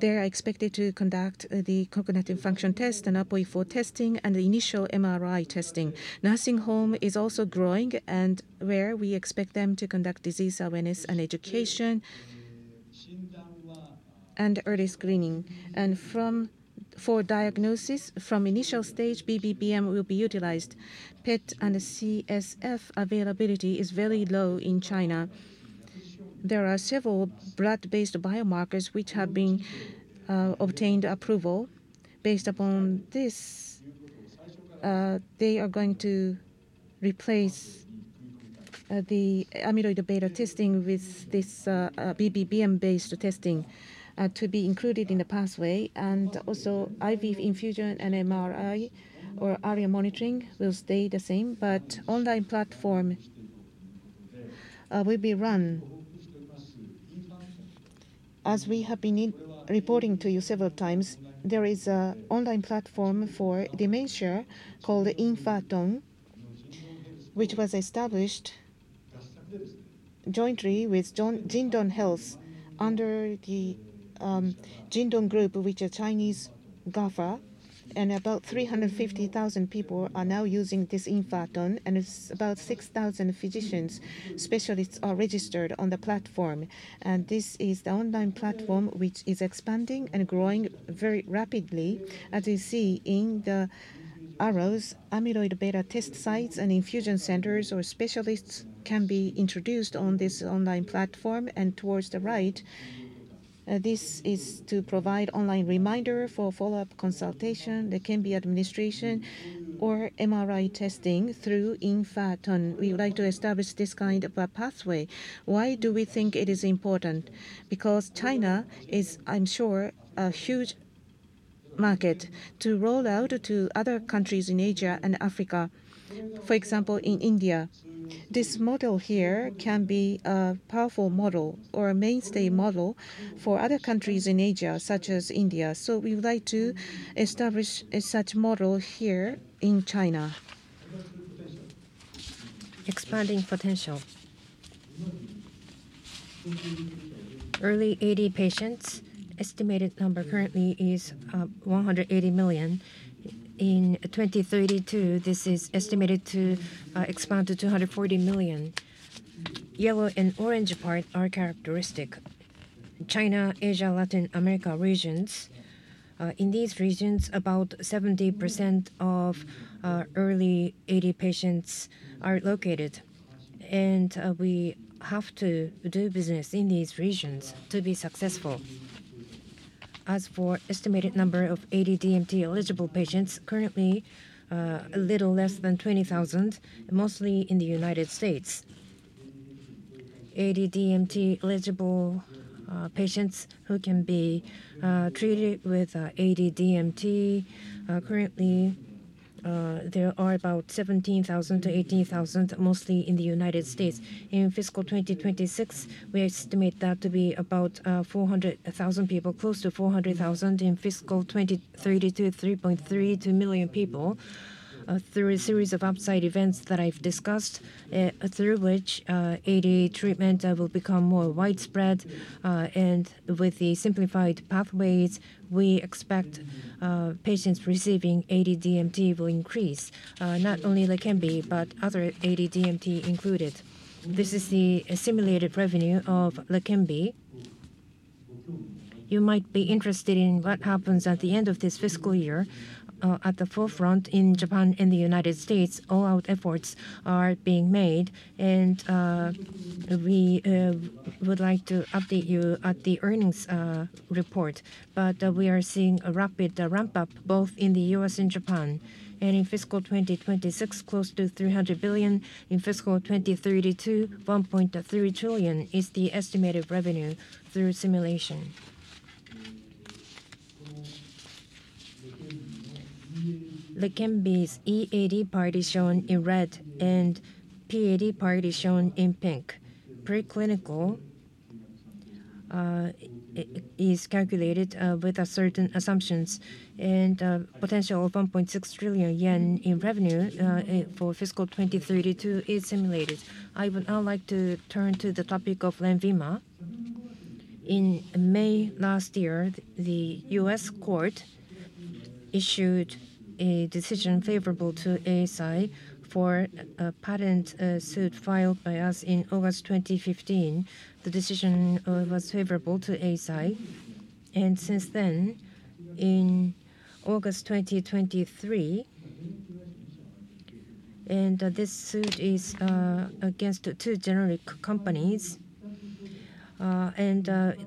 They are expected to conduct the cognitive function test, and APOE4 testing, and the initial MRI testing. Nursing home is also growing, and where we expect them to conduct disease awareness and education, and early screening. For diagnosis, from initial stage, BBM will be utilized. PET and CSF availability is very low in China. There are several blood-based biomarkers which have been obtained approval. Based upon this, they are going to replace the amyloid beta testing with this BBM-based testing to be included in the pathway. Also, IV infusion and MRI or ARIA monitoring will stay the same, but online platform will be run. As we have been reporting to you several times, there is an online platform for dementia called Easiit, which was established jointly with Jingdong Health under the Jingdong Group, which are Chinese GAFA. About 350,000 people are now using this Easiit, and it's about 6,000 physicians, specialists are registered on the platform. This is the online platform which is expanding and growing very rapidly. As you see in the arrows, amyloid beta test sites and infusion centers or specialists can be introduced on this online platform. Towards the right, this is to provide online reminder for follow-up consultation, LEQEMBI administration or MRI testing through Easiit. We would like to establish this kind of a pathway. Why do we think it is important? Because China is, I'm sure, a huge market to roll out to other countries in Asia and Africa. For example, in India. This model here can be a powerful model or a mainstay model for other countries in Asia, such as India. So we would like to establish a such model here in China. Expanding potential. Early AD patients, estimated number currently is, 180 million. In 2032, this is estimated to, expand to 240 million. Yellow and orange part are characteristic. China, Asia, Latin America regions, in these regions, about 70% of, early AD patients are located, and, we have to do business in these regions to be successful. As for estimated number of AD-DMT eligible patients, currently, a little less than 20,000, mostly in the United States. AD-DMT eligible patients who can be treated with AD-DMT currently there are about 17,000-18,000, mostly in the United States. In fiscal 2026, we estimate that to be about 400,000 people, close to 400,000. In fiscal 2032, 3.32 million people. Through a series of upside events that I've discussed, through which AD treatment will become more widespread. And with the simplified pathways, we expect patients receiving AD-DMT will increase, not only LEQEMBI, but other AD-DMT included. This is the estimated revenue of LEQEMBI. You might be interested in what happens at the end of this fiscal year. At the forefront in Japan and the United States, all-out efforts are being made, and we would like to update you at the earnings report. But we are seeing a rapid ramp-up, both in the U.S. and Japan. In fiscal 2026, close to 300 billion. In fiscal 2032, 1.3 trillion is the estimated revenue through simulation. LEQEMBI's eAD party shown in red and pAD party shown in pink. Preclinical is calculated with certain assumptions, and potential of 1.6 trillion yen in revenue for fiscal 2032 is simulated. I would now like to turn to the topic of LENVIMA. In May last year, the U.S. court issued a decision favorable to Eisai for a patent suit filed by us in August 2015. The decision was favorable to Eisai, and since then, in August 2023, and this suit is against two generic companies.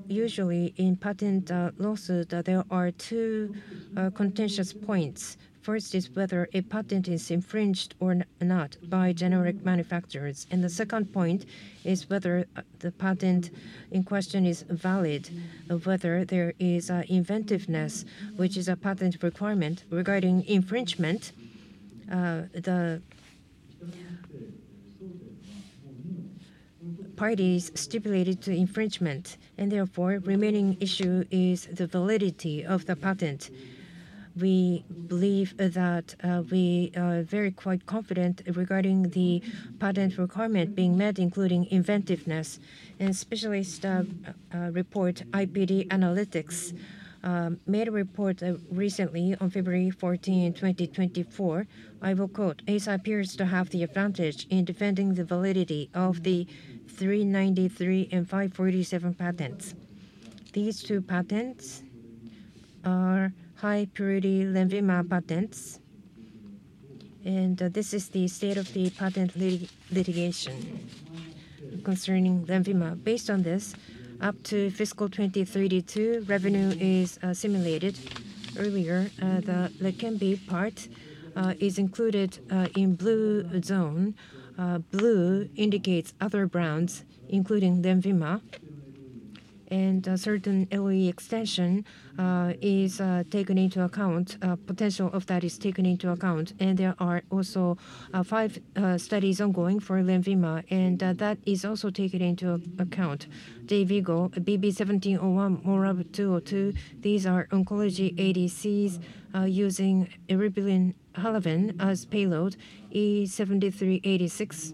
Usually in patent lawsuit, there are two contentious points. First is whether a patent is infringed or not by generic manufacturers, and the second point is whether the patent in question is valid, or whether there is inventiveness, which is a patent requirement. Regarding infringement, the parties stipulated to infringement, and therefore, remaining issue is the validity of the patent. We believe that, we are very quite confident regarding the patent requirement being met, including inventiveness. Specialist report, IPD Analytics, made a report, recently on February 14, 2024. I will quote: "Eisai appears to have the advantage in defending the validity of the 393 and 547 patents." These two patents are high-purity LENVIMA patents, and, this is the state of the patent litigation concerning LENVIMA. Based on this, up to fiscal 2032, revenue is, simulated. Earlier, the LEQEMBI part, is included, in blue zone. Blue indicates other brands, including LENVIMA, and a certain LE extension, is, taken into account. Potential of that is taken into account, and there are also 5 studies ongoing for LENVIMA, and that is also taken into account. DAYVIGO, BB1701, MORab-202, these are oncology ADCs using eribulin Halaven as payload. E7386,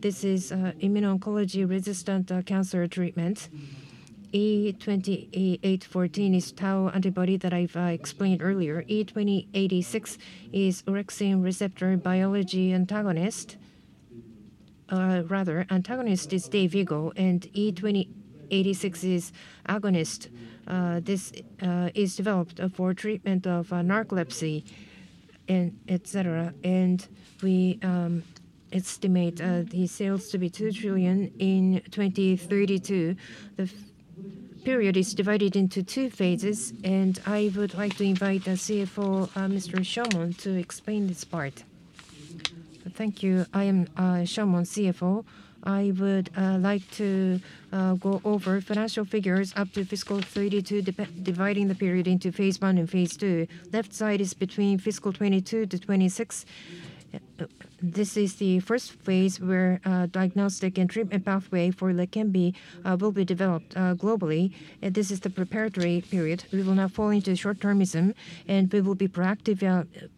this is immuno-oncology resistant cancer treatment. E2814 is tau antibody that I've explained earlier. E2086 is orexin receptor antagonist. Rather, antagonist is DAYVIGO, and E2086 is agonist. This is developed for treatment of narcolepsy and et cetera. And we estimate the sales to be 2 trillion in 2032. The period is divided into 2 phases, and I would like to invite our CFO, Mr. Shomon, to explain this part. Thank you. I am Shomon, CFO. I would like to go over financial figures up to fiscal 2032, dividing the period into phase 1 and phase 2. Left side is between fiscal 2022-2026. This is the first phase where diagnostic and treatment pathway for LEQEMBI will be developed globally, and this is the preparatory period. We will not fall into short-termism, and we will be proactive,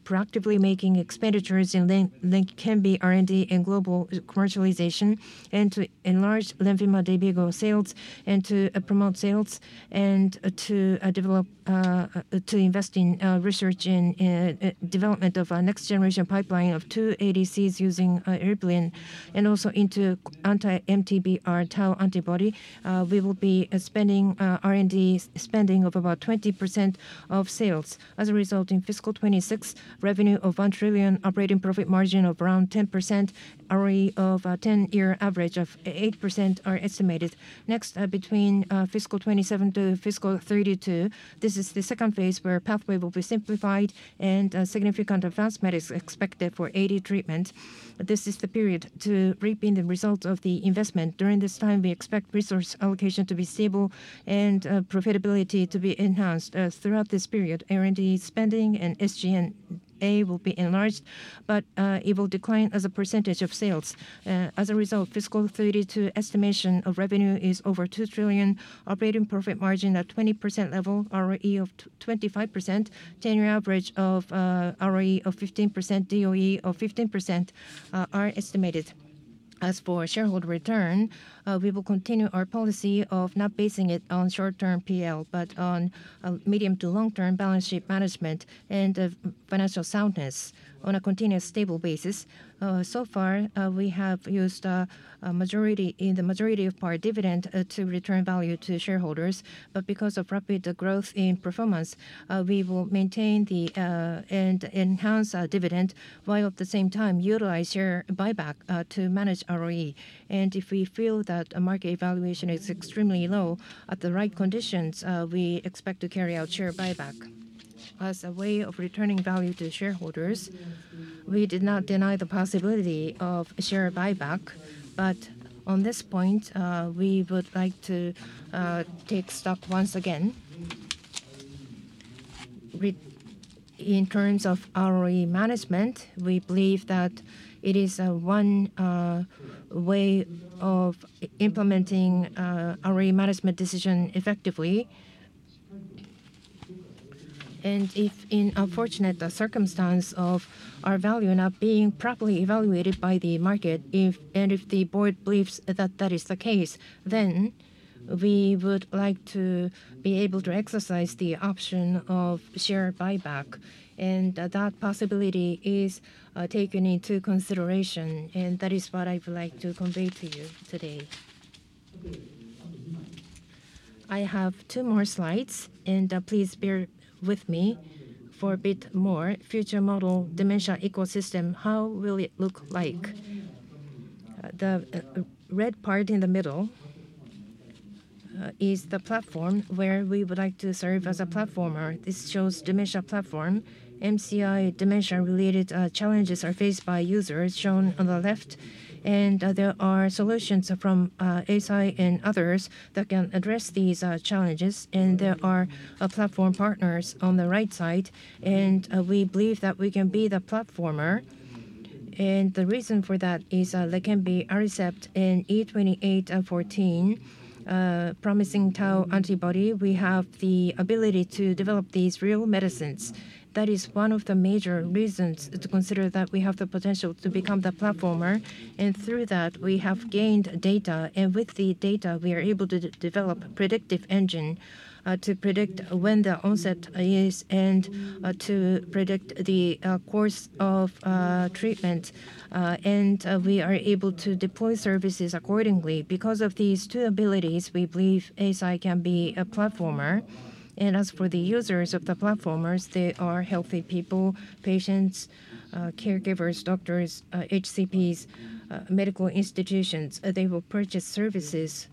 proactively making expenditures in LEQEMBI R&D and global commercialization, and to enlarge LENVIMA DAYVIGO sales, and to promote sales, and to develop, to invest in research and development of a next-generation pipeline of 2 ADCs using eribulin, and also into anti-MTBR tau antibody. We will be spending R&D spending of about 20% of sales. As a result, in fiscal 2026, revenue of 1 trillion, operating profit margin of around 10%, ROE of 10-year average of 8% are estimated. Next, between fiscal 2027 to fiscal 2032, this is the second phase, where pathway will be simplified and significant advancement is expected for AD treatment. This is the period to reaping the result of the investment. During this time, we expect resource allocation to be stable and profitability to be enhanced. Throughout this period, R&D spending and SG&A will be enlarged, but it will decline as a percentage of sales. As a result, fiscal 2032 estimation of revenue is over 2 trillion, operating profit margin at 20% level, ROE of 25%, 10-year average of ROE of 15%, DOE of 15% are estimated. As for shareholder return, we will continue our policy of not basing it on short-term PL, but on medium- to long-term balance sheet management and financial soundness on a continuous, stable basis. So far, we have used a majority, in the majority of our dividend to return value to shareholders. But because of rapid growth in performance, we will maintain the and enhance our dividend, while at the same time utilize share buyback to manage ROE. And if we feel that a market evaluation is extremely low, at the right conditions, we expect to carry out share buyback. As a way of returning value to shareholders, we did not deny the possibility of share buyback, but on this point, we would like to take stock once again. In terms of ROE management, we believe that it is one way of implementing our management decision effectively. And if in unfortunate circumstance of our value not being properly evaluated by the market, and if the board believes that that is the case, then we would like to be able to exercise the option of share buyback. And that possibility is taken into consideration, and that is what I would like to convey to you today. I have two more slides, and please bear with me for a bit more. Future model dementia ecosystem, how will it look like? The red part in the middle is the platform where we would like to serve as a platformer. This shows dementia platform. MCI dementia-related challenges are faced by users, shown on the left. There are solutions from Eisai and others that can address these challenges, and there are platform partners on the right side. We believe that we can be the platformer. The reason for that is LEQEMBI, Aricept, and E2814, promising tau antibody. We have the ability to develop these real medicines. That is one of the major reasons to consider that we have the potential to become the platformer, and through that, we have gained data. With the data, we are able to develop predictive engine to predict when the onset is and to predict the course of treatment. We are able to deploy services accordingly. Because of these two abilities, we believe Eisai can be a platformer. As for the users of the platforms, they are healthy people, patients, caregivers, doctors, HCPs, medical institutions. They will purchase services,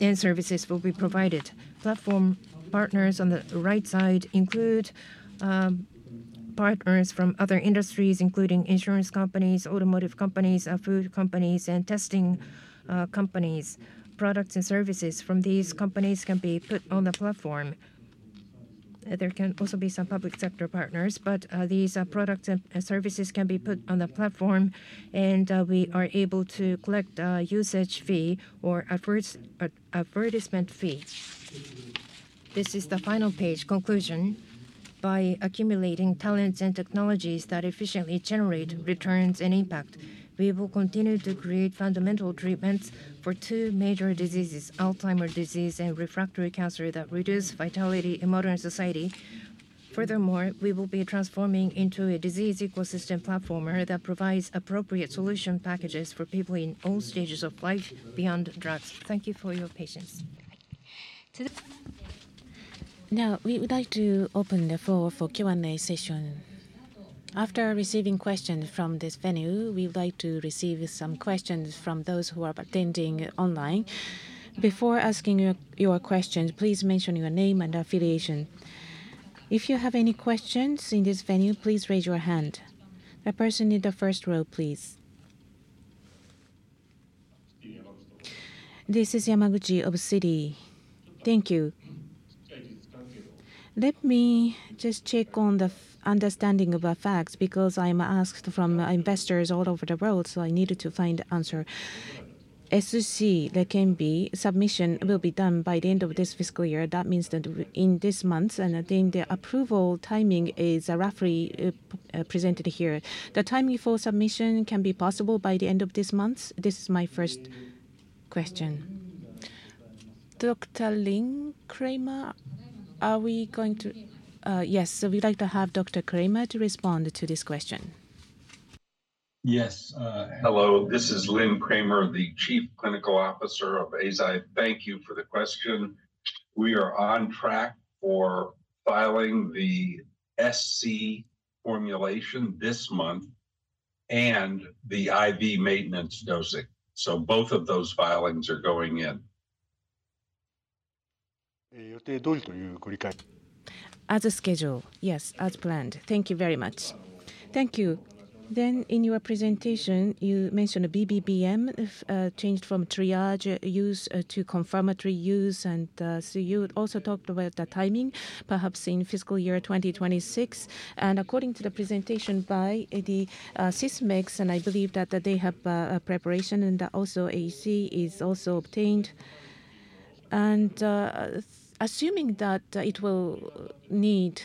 and services will be provided. Platform partners on the right side include partners from other industries, including insurance companies, automotive companies, food companies, and testing companies. Products and services from these companies can be put on the platform. There can also be some public sector partners, but these products and services can be put on the platform, and we are able to collect usage fee or advertisement fee. This is the final page, conclusion. By accumulating talents and technologies that efficiently generate returns and impact, we will continue to create fundamental treatments for two major diseases, Alzheimer's disease and refractory cancer, that reduce vitality in modern society. Furthermore, we will be transforming into a disease ecosystem platformer that provides appropriate solution packages for people in all stages of life beyond drugs. Thank you for your patience. Now, we would like to open the floor for Q&A session. After receiving questions from this venue, we would like to receive some questions from those who are attending online. Before asking your questions, please mention your name and affiliation. If you have any questions in this venue, please raise your hand. The person in the first row, please. This is Hidemaru Yamaguchi of Citigroup. Thank you. Let me just check on the understanding of our facts, because I'm asked from investors all over the world, so I needed to find the answer. SC LEQEMBI submission will be done by the end of this fiscal year. That means that in this month, and I think the approval timing is roughly presented here. The timing for submission can be possible by the end of this month? This is my first question. Dr. Lynn Kramer, are we going to... yes, so we'd like to have Dr. Kramer to respond to this question. Yes. Hello, this is Lynn Kramer, the Chief Clinical Officer of Eisai. Thank you for the question. We are on track for filing the SC formulation this month and the IV maintenance dosing. So both of those filings are going in. As scheduled. Yes, as planned. Thank you very much. Thank you. Then in your presentation, you mentioned BBM changed from triage use to confirmatory use. So you also talked about the timing, perhaps in fiscal year 2026. And according to the presentation by AD, Sysmex, and I believe that they have a preparation, and that also AC is also obtained. And assuming that it will need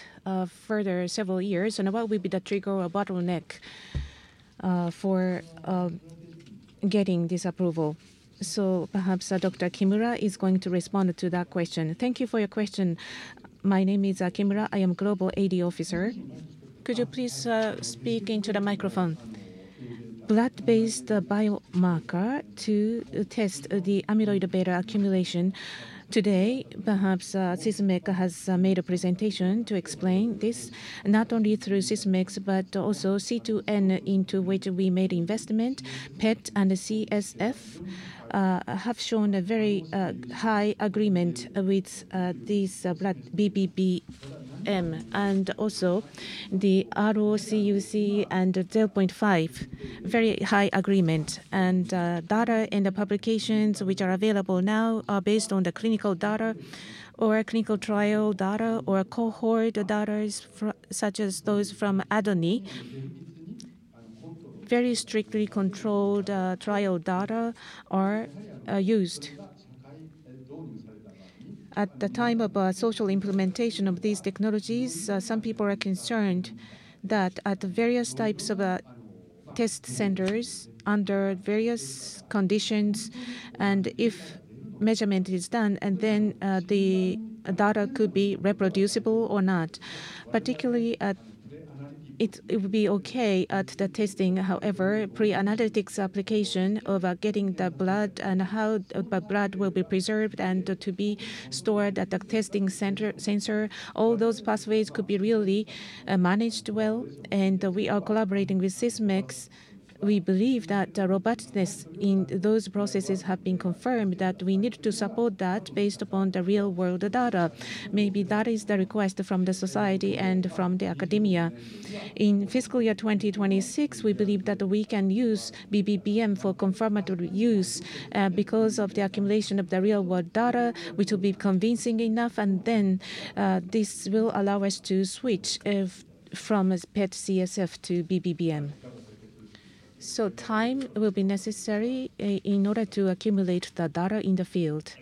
further several years, and what will be the trigger or bottleneck for getting this approval? So perhaps Dr. Kimura is going to respond to that question. Thank you for your question. My name is Kimura. I am Global AD Officer. Could you please speak into the microphone? Blood-based biomarker to test the amyloid beta accumulation. Today, perhaps, Sysmex has made a presentation to explain this, not only through Sysmex, but also C2N into which we made investment. PET and CSF have shown a very high agreement with these blood BBM, and also the ROC AUC and the tau 0.5, very high agreement. Data in the publications which are available now are based on the clinical data or clinical trial data or cohort data such as those from ADNI. Very strictly controlled trial data are used. At the time of social implementation of these technologies, some people are concerned that at the various types of test centers under various conditions, and if measurement is done, and then the data could be reproducible or not. Particularly, it would be okay at the testing, however, pre-analytics application of getting the blood and how the blood will be preserved and to be stored at the testing center sensor. All those pathways could be really managed well, and we are collaborating with Sysmex. We believe that the robustness in those processes have been confirmed, that we need to support that based upon the real world data. Maybe that is the request from the society and from the academia. In fiscal year 2026, we believe that we can use BBM for confirmatory use, because of the accumulation of the real world data, which will be convincing enough, and then, this will allow us to switch it from PET CSF to BBM. So time will be necessary in order to accumulate the data in the field,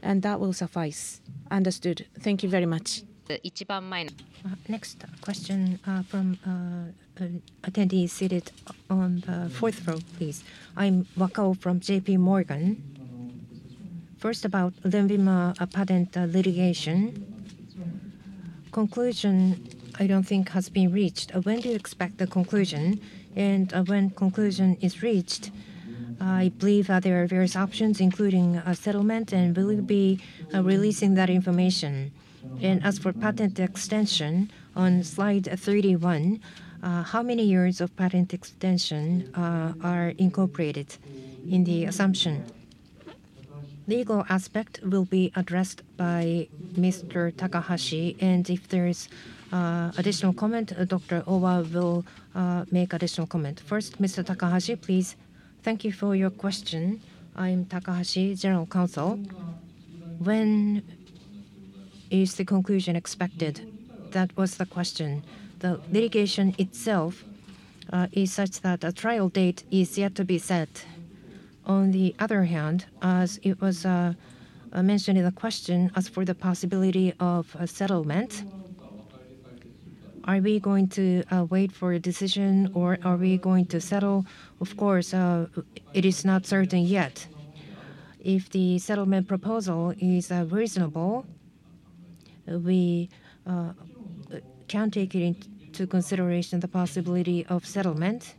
and that will suffice. Understood. Thank you very much. Next question from an attendee seated on the fourth row, please. I'm Seiji Wakao from JPMorgan. First, about LENVIMA, patent litigation. Conclusion, I don't think, has been reached. When do you expect the conclusion? And when conclusion is reached, I believe that there are various options, including a settlement, and will you be releasing that information? As for patent extension, on slide 31, how many years of patent extension are incorporated in the assumption? Legal aspect will be addressed by Mr. Takashi, and if there is additional comment, Dr. Owa will make additional comment. First, Mr. Takashi, please. Thank you for your question. I'm Takashi, General Counsel. When is the conclusion expected? That was the question. The litigation itself is such that a trial date is yet to be set. On the other hand, as it was mentioned in the question, as for the possibility of a settlement, are we going to wait for a decision or are we going to settle? Of course, it is not certain yet. If the settlement proposal is reasonable, we can take it into consideration the possibility of settlement.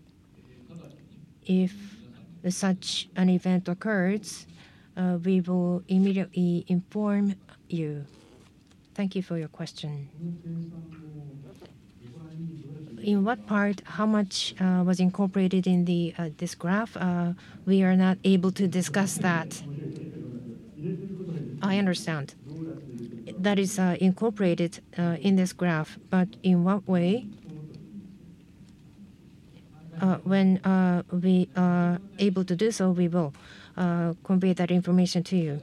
If such an event occurs, we will immediately inform you. Thank you for your question. In what part, how much was incorporated in this graph? We are not able to discuss that. I understand. That is incorporated in this graph, but in what way? When we are able to do so, we will convey that information to you.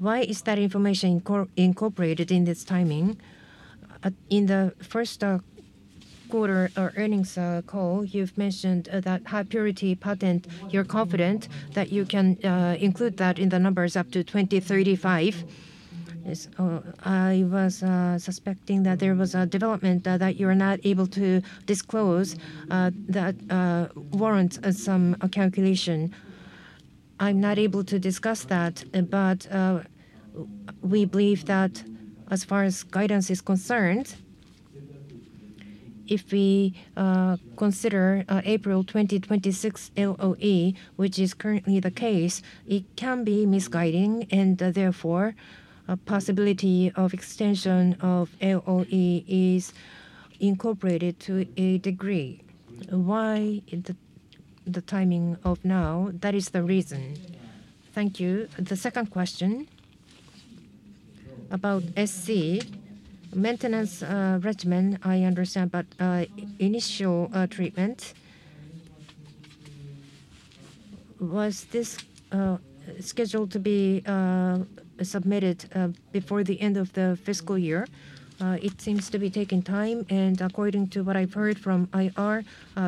Why is that information incorporated in this timing? In the first quarter earnings call, you've mentioned that high purity patent, you're confident that you can include that in the numbers up to 2035. Yes, I was suspecting that there was a development that you are not able to disclose that warrants some calculation. I'm not able to discuss that, but we believe that as far as guidance is concerned, if we consider April 2026 LOE, which is currently the case, it can be misguiding, and therefore, a possibility of extension of LOE is incorporated to a degree. Why the timing of now? That is the reason. Thank you. The second question, about SC. Maintenance regimen, I understand, but initial treatment, was this scheduled to be submitted before the end of the fiscal year? It seems to be taking time, and according to what I've heard from IR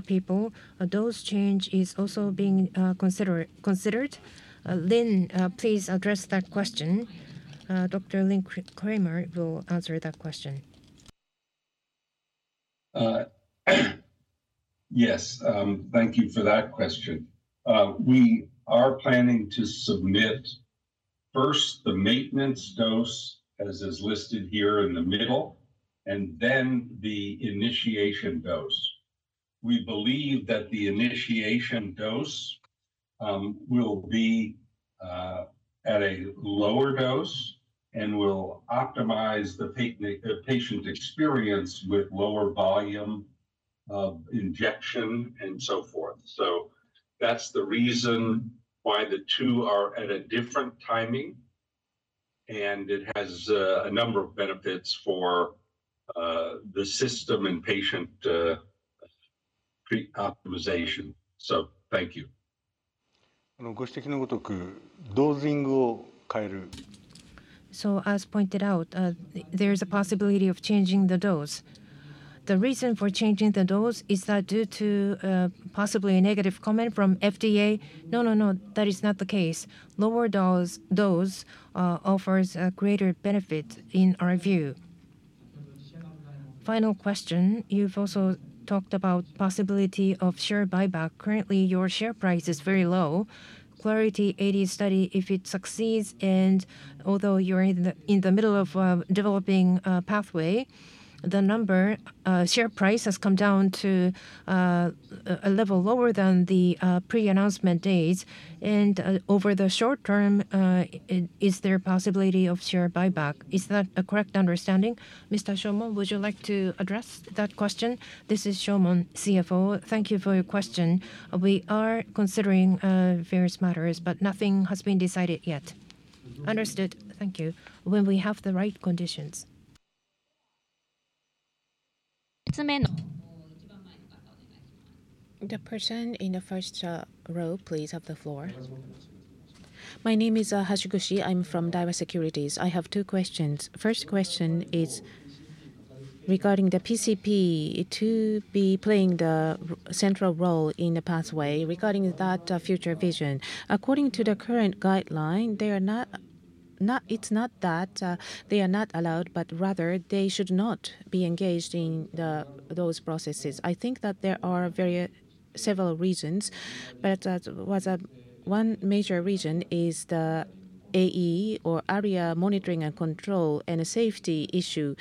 people, those changes are also being considered. Lynn, please address that question. Dr. Lynn Kramer will answer that question. Yes, thank you for that question. We are planning to submit first the maintenance dose, as is listed here in the middle, and then the initiation dose. We believe that the initiation dose will be at a lower dose and will optimize the patient experience with lower volume of injection, and so forth. So that's the reason why the two are at a different timing, and it has a number of benefits for the system and patient pre-optimization. So thank you. So as pointed out, there is a possibility of changing the dose. The reason for changing the dose is that due to possibly a negative comment from FDA? No, no, no, that is not the case. Lower dose offers a greater benefit in our view. Final question, you've also talked about possibility of share buyback. Currently, your share price is very low. Clarity AD study, if it succeeds, and although you're in the middle of developing a pathway, the share price has come down to a level lower than the pre-announcement days. And, over the short term, is there possibility of share buyback? Is that a correct understanding? Mr. Shomon, would you like to address that question? This is Shomon, CFO. Thank you for your question. We are considering various matters, but nothing has been decided yet. Understood. Thank you. When we have the right conditions. The person in the first row, please have the floor. My name is Hashiguchi. I'm from Daiwa Securities. I have two questions. First question is regarding the PCP to be playing the central role in the pathway. Regarding that future vision, according to the current guideline, they are not... It's not that they are not allowed, but rather they should not be engaged in those processes. I think that there are several reasons, but one major reason is the AE or ARIA monitoring and control, and a safety issue.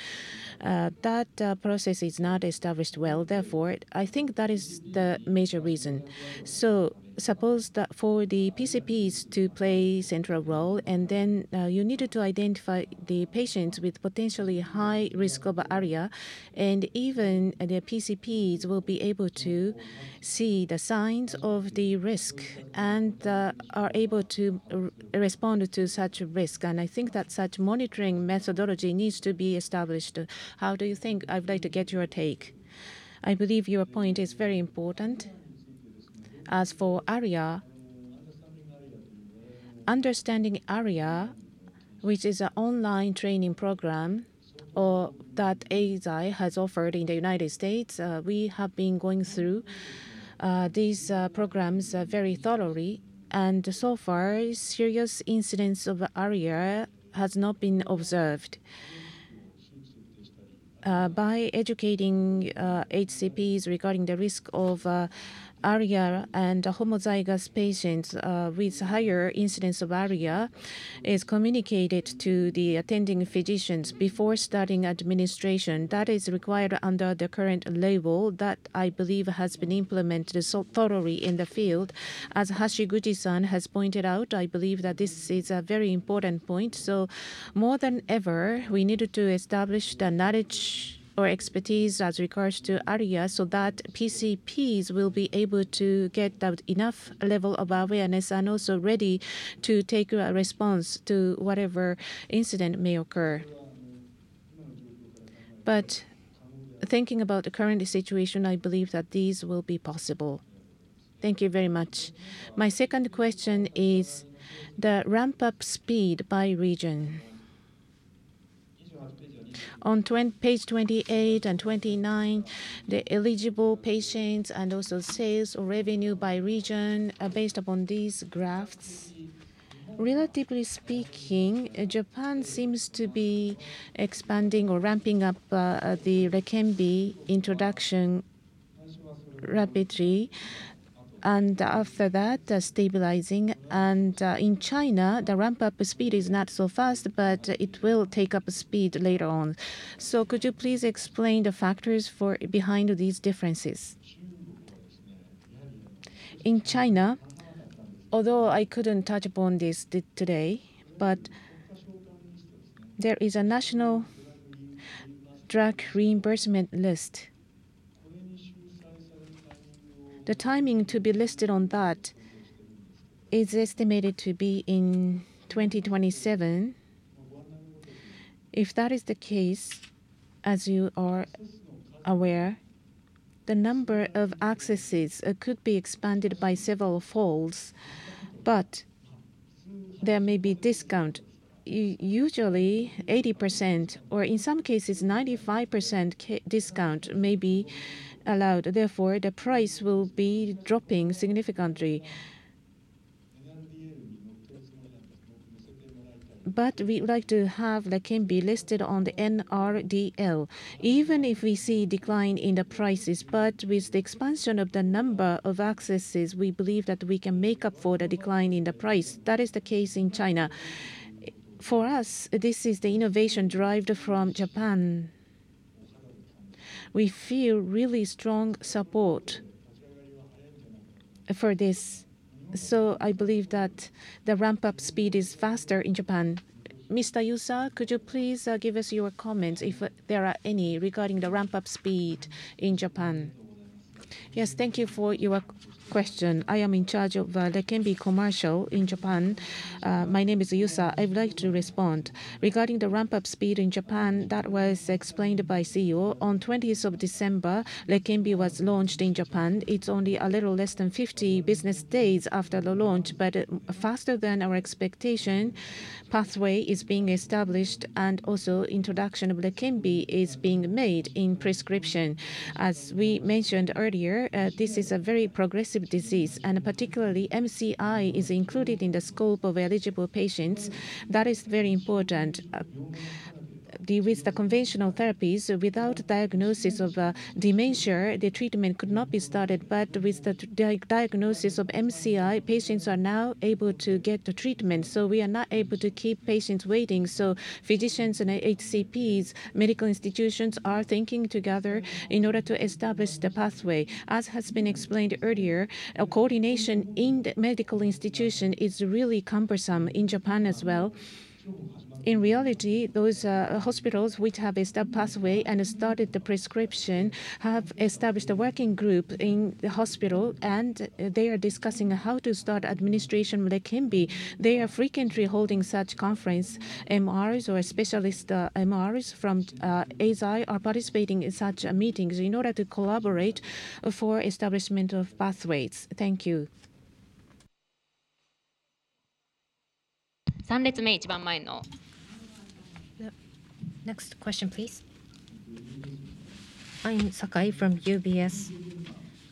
That process is not established well, therefore, I think that is the major reason. So suppose that for the PCPs to play central role, and then, you needed to identify the patients with potentially high risk of ARIA, and even the PCPs will be able to see the signs of the risk and, are able to respond to such risk. And I think that such monitoring methodology needs to be established. How do you think? I'd like to get your take. I believe your point is very important. As for ARIA, understanding ARIA, which is an online training program that Eisai has offered in the United States, we have been going through these programs very thoroughly. And so far, serious incidents of ARIA has not been observed. By educating HCPs regarding the risk of ARIA and homozygous patients with higher incidents of ARIA, is communicated to the attending physicians before starting administration. That is required under the current label. That, I believe, has been implemented so thoroughly in the field. As Hashiguchi-san has pointed out, I believe that this is a very important point. So more than ever, we needed to establish the knowledge or expertise as regards to ARIA, so that PCPs will be able to get the enough level of awareness, and also ready to take a response to whatever incident may occur. But thinking about the current situation, I believe that these will be possible. Thank you very much. My second question is the ramp-up speed by region. On page 28 and 29, the eligible patients and also sales or revenue by region, based upon these graphs. Relatively speaking, Japan seems to be expanding or ramping up, the LEQEMBI introduction rapidly, and after that, stabilizing. In China, the ramp-up speed is not so fast, but it will take up speed later on. So could you please explain the factors for behind these differences? In China, although I couldn't touch upon this today, but there is a national drug reimbursement list. The timing to be listed on that is estimated to be in 2027. If that is the case, as you are aware, the number of accesses could be expanded by several folds, but there may be discount. Usually 80%, or in some cases, 95% discount may be allowed, therefore, the price will be dropping significantly. But we would like to have LEQEMBI listed on the NRDL, even if we see decline in the prices. But with the expansion of the number of accesses, we believe that we can make up for the decline in the price. That is the case in China. For us, this is the innovation derived from Japan. We feel really strong support for this, so I believe that the ramp-up speed is faster in Japan. Mr. Yusa, could you please give us your comments, if there are any, regarding the ramp-up speed in Japan? Yes, thank you for your question. I am in charge of LEQEMBI commercial in Japan. My name is Yusa. I would like to respond. Regarding the ramp-up speed in Japan, that was explained by CEO. On twentieth of December, LEQEMBI was launched in Japan. It's only a little less than 50 business days after the launch, but faster than our expectation. Pathway is being established, and also introduction of LEQEMBI is being made in prescription. As we mentioned earlier, this is a very progressive disease, and particularly MCI is included in the scope of eligible patients. That is very important. With the conventional therapies, without diagnosis of dementia, the treatment could not be started, but with the diagnosis of MCI, patients are now able to get the treatment, so we are not able to keep patients waiting. So physicians and HCPs, medical institutions are thinking together in order to establish the pathway. As has been explained earlier, a coordination in the medical institution is really cumbersome in Japan as well. In reality, those hospitals which have established pathway and started the prescription, have established a working group in the hospital, and they are discussing how to start administration LEQEMBI. They are frequently holding such conference. MRs or specialist, MRs from Eisai are participating in such meetings in order to collaborate for establishment of pathways. Thank you. Next question, please. I'm Sakai from UBS.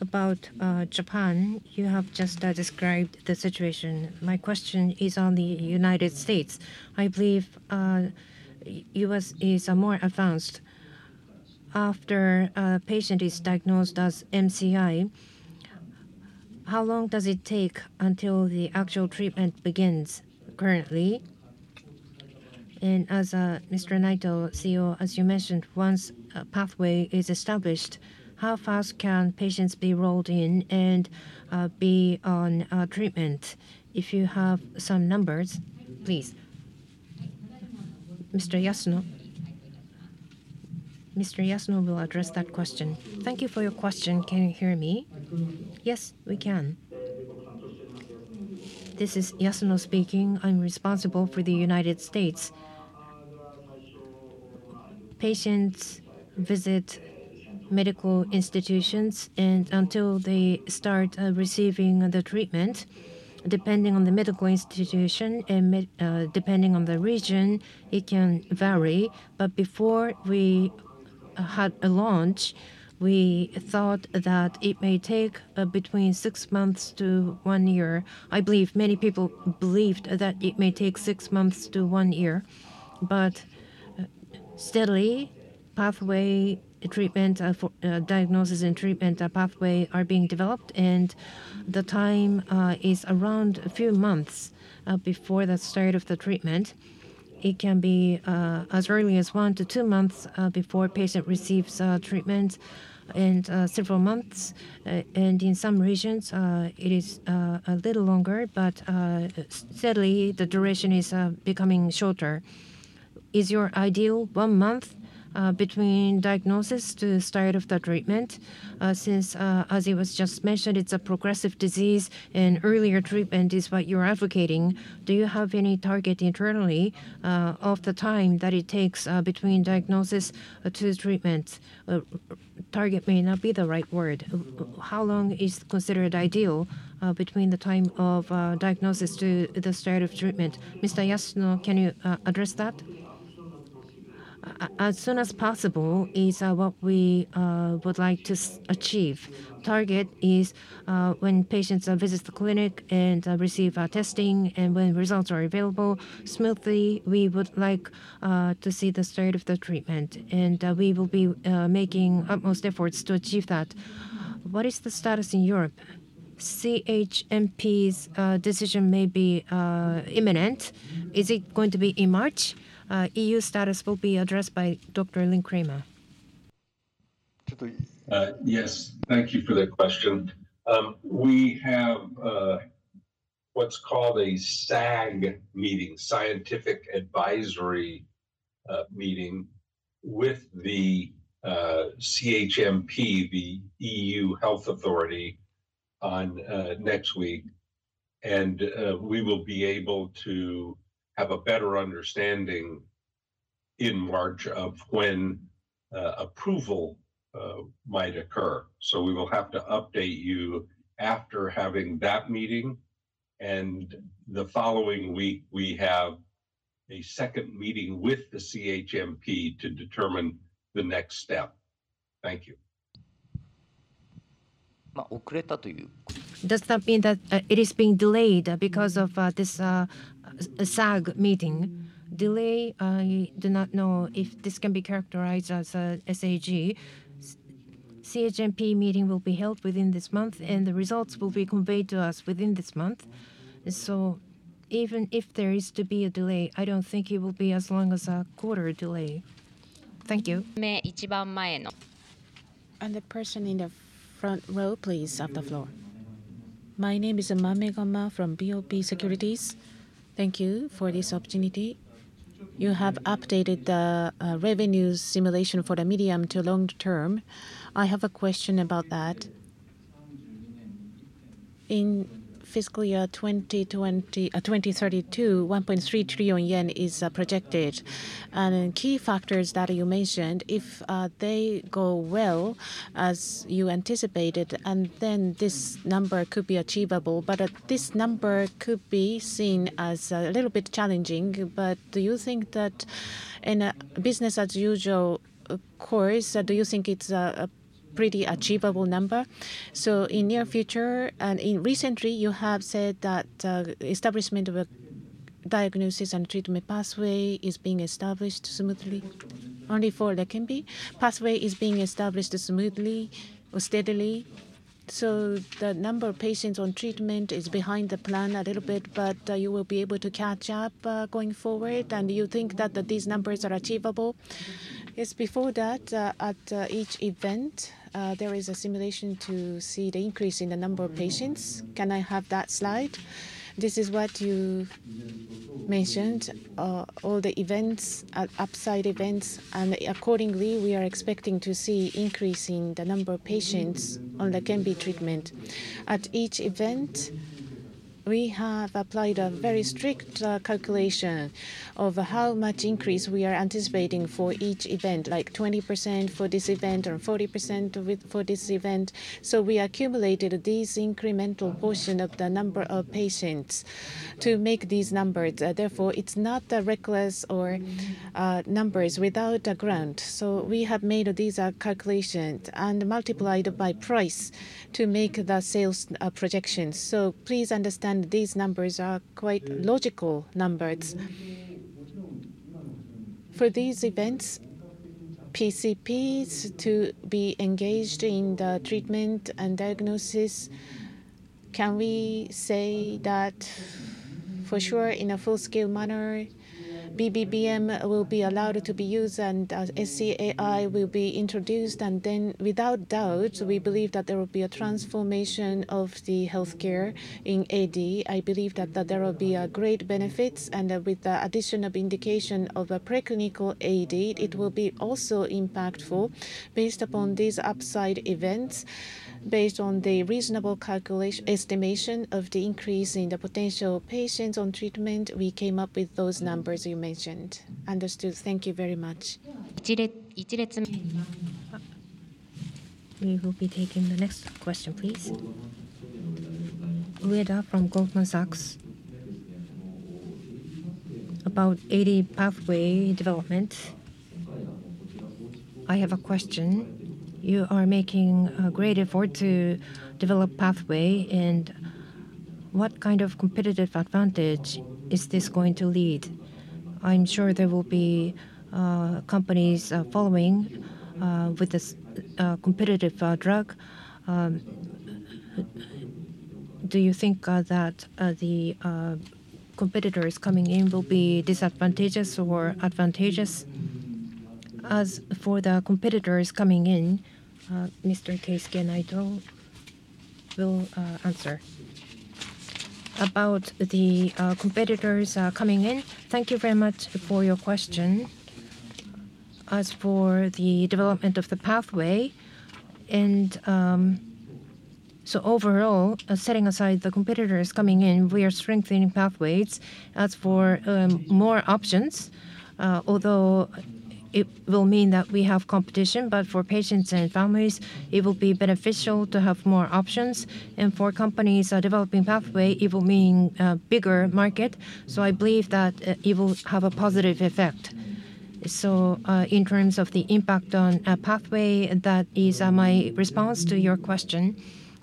About Japan, you have just described the situation. My question is on the United States. I believe U.S. is more advanced. After a patient is diagnosed as MCI, how long does it take until the actual treatment begins currently? And as Mr. Naito, CEO, as you mentioned, once a pathway is established, how fast can patients be rolled in and be on treatment? If you have some numbers, please. Mr. Yasuno. Mr. Yasuno will address that question. Thank you for your question. Can you hear me? Yes, we can. This is Yasuno speaking. I'm responsible for the United States. Patients visit medical institutions, and until they start receiving the treatment, depending on the medical institution and, depending on the region, it can vary. But before we had a launch, we thought that it may take between 6 months to 1 year. I believe many people believed that it may take 6 months to 1 year. But steadily, pathway treatment for diagnosis and treatment pathway are being developed, and the time is around a few months before the start of the treatment. It can be as early as 1-2 months before a patient receives treatment, and several months. And in some regions, it is a little longer, but steadily, the duration is becoming shorter. Is your ideal one month, between diagnosis to the start of the treatment? Since, as it was just mentioned, it's a progressive disease, and earlier treatment is what you're advocating, do you have any target internally, of the time that it takes, between diagnosis, to treatment? Target may not be the right word. How long is considered ideal, between the time of, diagnosis to the start of treatment? Mr. Yasuno, can you address that? As soon as possible is what we would like to achieve. Target is when patients visit the clinic and receive testing and when results are available, smoothly, we would like to see the start of the treatment, and we will be making utmost efforts to achieve that. What is the status in Europe? CHMP's decision may be imminent. Is it going to be in March? EU status will be addressed by Dr. Lynn Kramer. Yes. Thank you for that question. We have what's called a SAG meeting, scientific advisory meeting, with the CHMP, the EU health authority, next week. We will be able to have a better understanding in March of when approval might occur. So we will have to update you after having that meeting. The following week, we have a second meeting with the CHMP to determine the next step. Thank you. Does that mean that it is being delayed because of this SAG meeting? Delay, I do not know if this can be characterized as a SAG. CHMP meeting will be held within this month, and the results will be conveyed to us within this month. So even if there is to be a delay, I don't think it will be as long as a quarter delay. Thank you. The person in the front row, please, on the floor. My name is Mame Gamma from BOP Securities. Thank you for this opportunity. You have updated the revenue simulation for the medium to long term. I have a question about that. In fiscal year 2032, 1.3 trillion yen is projected. And key factors that you mentioned, if they go well, as you anticipated, and then this number could be achievable. But this number could be seen as a little bit challenging. But do you think that in a business as usual course, do you think it's a pretty achievable number? So in near future, and in recently, you have said that establishment of a diagnosis and treatment pathway is being established smoothly. Only for LEQEMBI? Pathway is being established smoothly or steadily, so the number of patients on treatment is behind the plan a little bit, but you will be able to catch up going forward. Do you think that these numbers are achievable? Yes. Before that, at each event, there is a simulation to see the increase in the number of patients. Can I have that slide? This is what you mentioned. All the events are upside events, and accordingly, we are expecting to see increase in the number of patients on LEQEMBI treatment. At each event, we have applied a very strict calculation of how much increase we are anticipating for each event, like 20% for this event or 40% with, for this event. So we accumulated these incremental portion of the number of patients to make these numbers. Therefore, it's not a reckless or numbers without a ground. So we have made these calculations and multiplied by price to make the sales projections. So please understand these numbers are quite logical numbers. For these events, PCPs to be engaged in the treatment and diagnosis, can we say that for sure, in a full-scale manner, BBM will be allowed to be used and SC-AI will be introduced? And then, without doubt, we believe that there will be a transformation of the healthcare in AD. I believe that there will be great benefits. With the additional of indication of a preclinical AD, it will be also impactful based upon these upside events. Based on the reasonable estimation of the increase in the potential patients on treatment, we came up with those numbers you mentioned. Understood. Thank you very much. We will be taking the next question, please. Ueda from Goldman Sachs. About AD pathway development, I have a question. You are making a great effort to develop pathway, and what kind of competitive advantage is this going to lead? I'm sure there will be companies following with this competitive drug. Do you think that the competitors coming in will be disadvantageous or advantageous? As for the competitors coming in, Mr. Keisuke Naito will answer. About the competitors coming in, thank you very much for your question. As for the development of the pathway, and... So overall, setting aside the competitors coming in, we are strengthening pathways. As for more options, although it will mean that we have competition, but for patients and families, it will be beneficial to have more options. And for companies developing pathway, it will mean bigger market. So I believe that it will have a positive effect. So in terms of the impact on a pathway, that is my response to your question.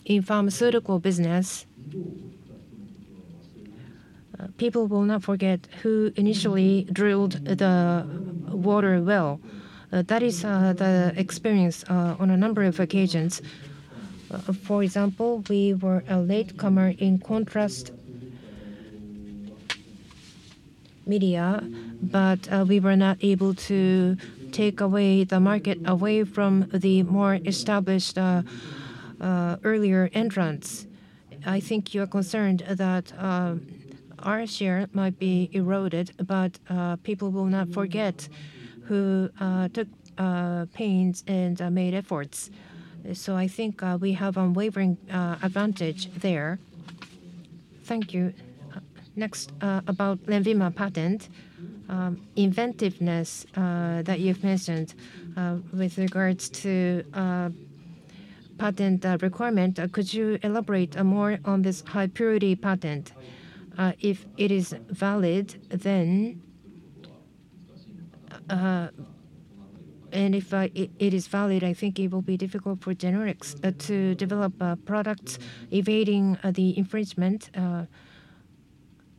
In pharmaceutical business, people will not forget who initially drilled the water well. That is the experience on a number of occasions. For example, we were a latecomer in contrast media, but we were not able to take away the market from the more established earlier entrants. I think you are concerned that our share might be eroded, but people will not forget who took pains and made efforts. So I think we have unwavering advantage there. Thank you. Next, about LENVIMA patent, inventiveness, that you've mentioned. With regards to, patent, requirement, could you elaborate more on this high-purity patent? If it is valid, then... And if it is valid, I think it will be difficult for generics to develop products evading the infringement.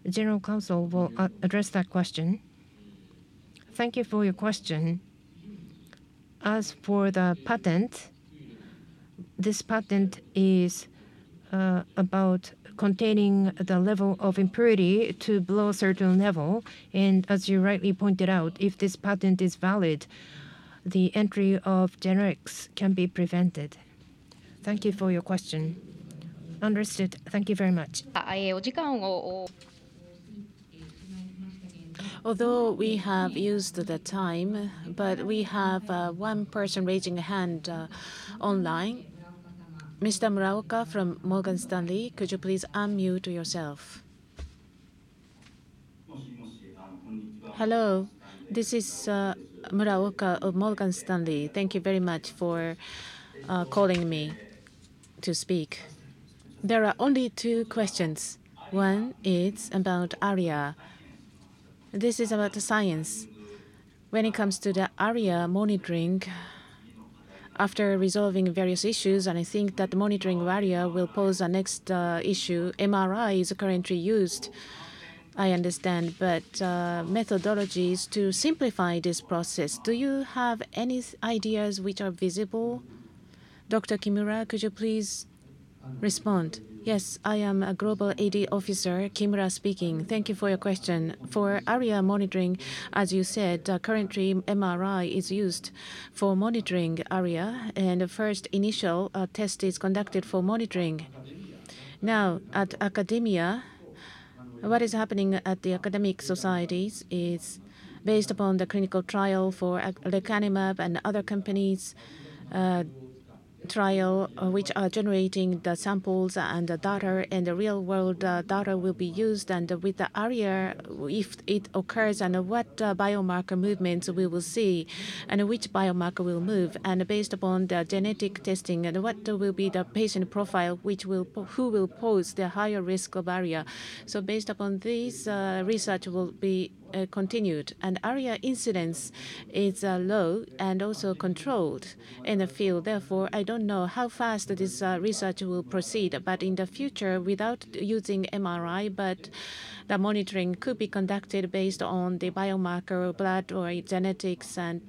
General Counsel will address that question. Thank you for your question. As for the patent, this patent is about containing the level of impurity to below a certain level. And as you rightly pointed out, if this patent is valid, the entry of generics can be prevented. Thank you for your question. Understood. Thank you very much. Although we have used the time, but we have, one person raising a hand, online. Mr. Muraoka from Morgan Stanley, could you please unmute yourself? Hello, this is, Muraoka of Morgan Stanley. Thank you very much for, calling me to speak. There are only two questions. One is about ARIA. This is about the science. When it comes to the ARIA monitoring, after resolving various issues, and I think that monitoring ARIA will pose a next, issue. MRI is currently used, I understand, but, methodologies to simplify this process, do you have any ideas which are visible? Dr. Kimura, could you please respond? Yes, I am a Global AD Officer, Kimura speaking. Thank you for your question. For ARIA monitoring, as you said, currently MRI is used for monitoring ARIA, and a first initial, test is conducted for monitoring. Now, at academia, what is happening at the academic societies is based upon the clinical trial for lecanemab and other companies' trial, which are generating the samples and the data, and the real-world data will be used. And with the ARIA, if it occurs, and what biomarker movements we will see, and which biomarker will move, and based upon the genetic testing, and what will be the patient profile, which will who will pose the higher risk of ARIA. So based upon this, research will be continued. And ARIA incidence is low and also controlled in the field, therefore, I don't know how fast this research will proceed. But in the future, without using MRI, but the monitoring could be conducted based on the biomarker or blood or genetics, and,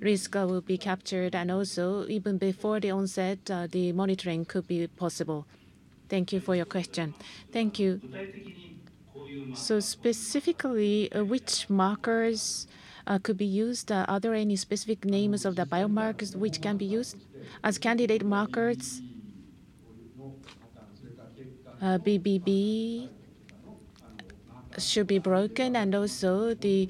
risk, will be captured, and also, even before the onset, the monitoring could be possible. Thank you for your question. Thank you. So specifically, which markers, could be used? Are there any specific names of the biomarkers which can be used as candidate markers? BBB should be broken, and also the,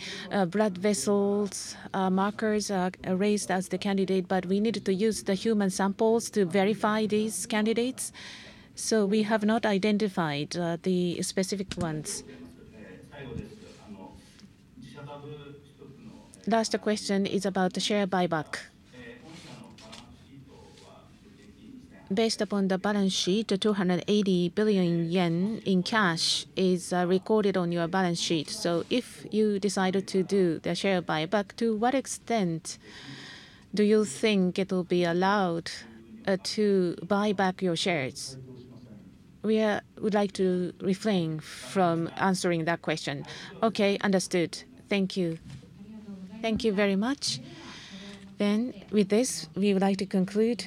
blood vessels, markers are, are raised as the candidate, but we needed to use the human samples to verify these candidates, so we have not identified, the specific ones. Last question is about the share buyback. Based upon the balance sheet, the 280 billion yen in cash is, recorded on your balance sheet. So if you decided to do the share buyback, to what extent do you think it'll be allowed, to buy back your shares? We would like to refrain from answering that question. Okay, understood. Thank you. Thank you very much. Then with this, we would like to conclude.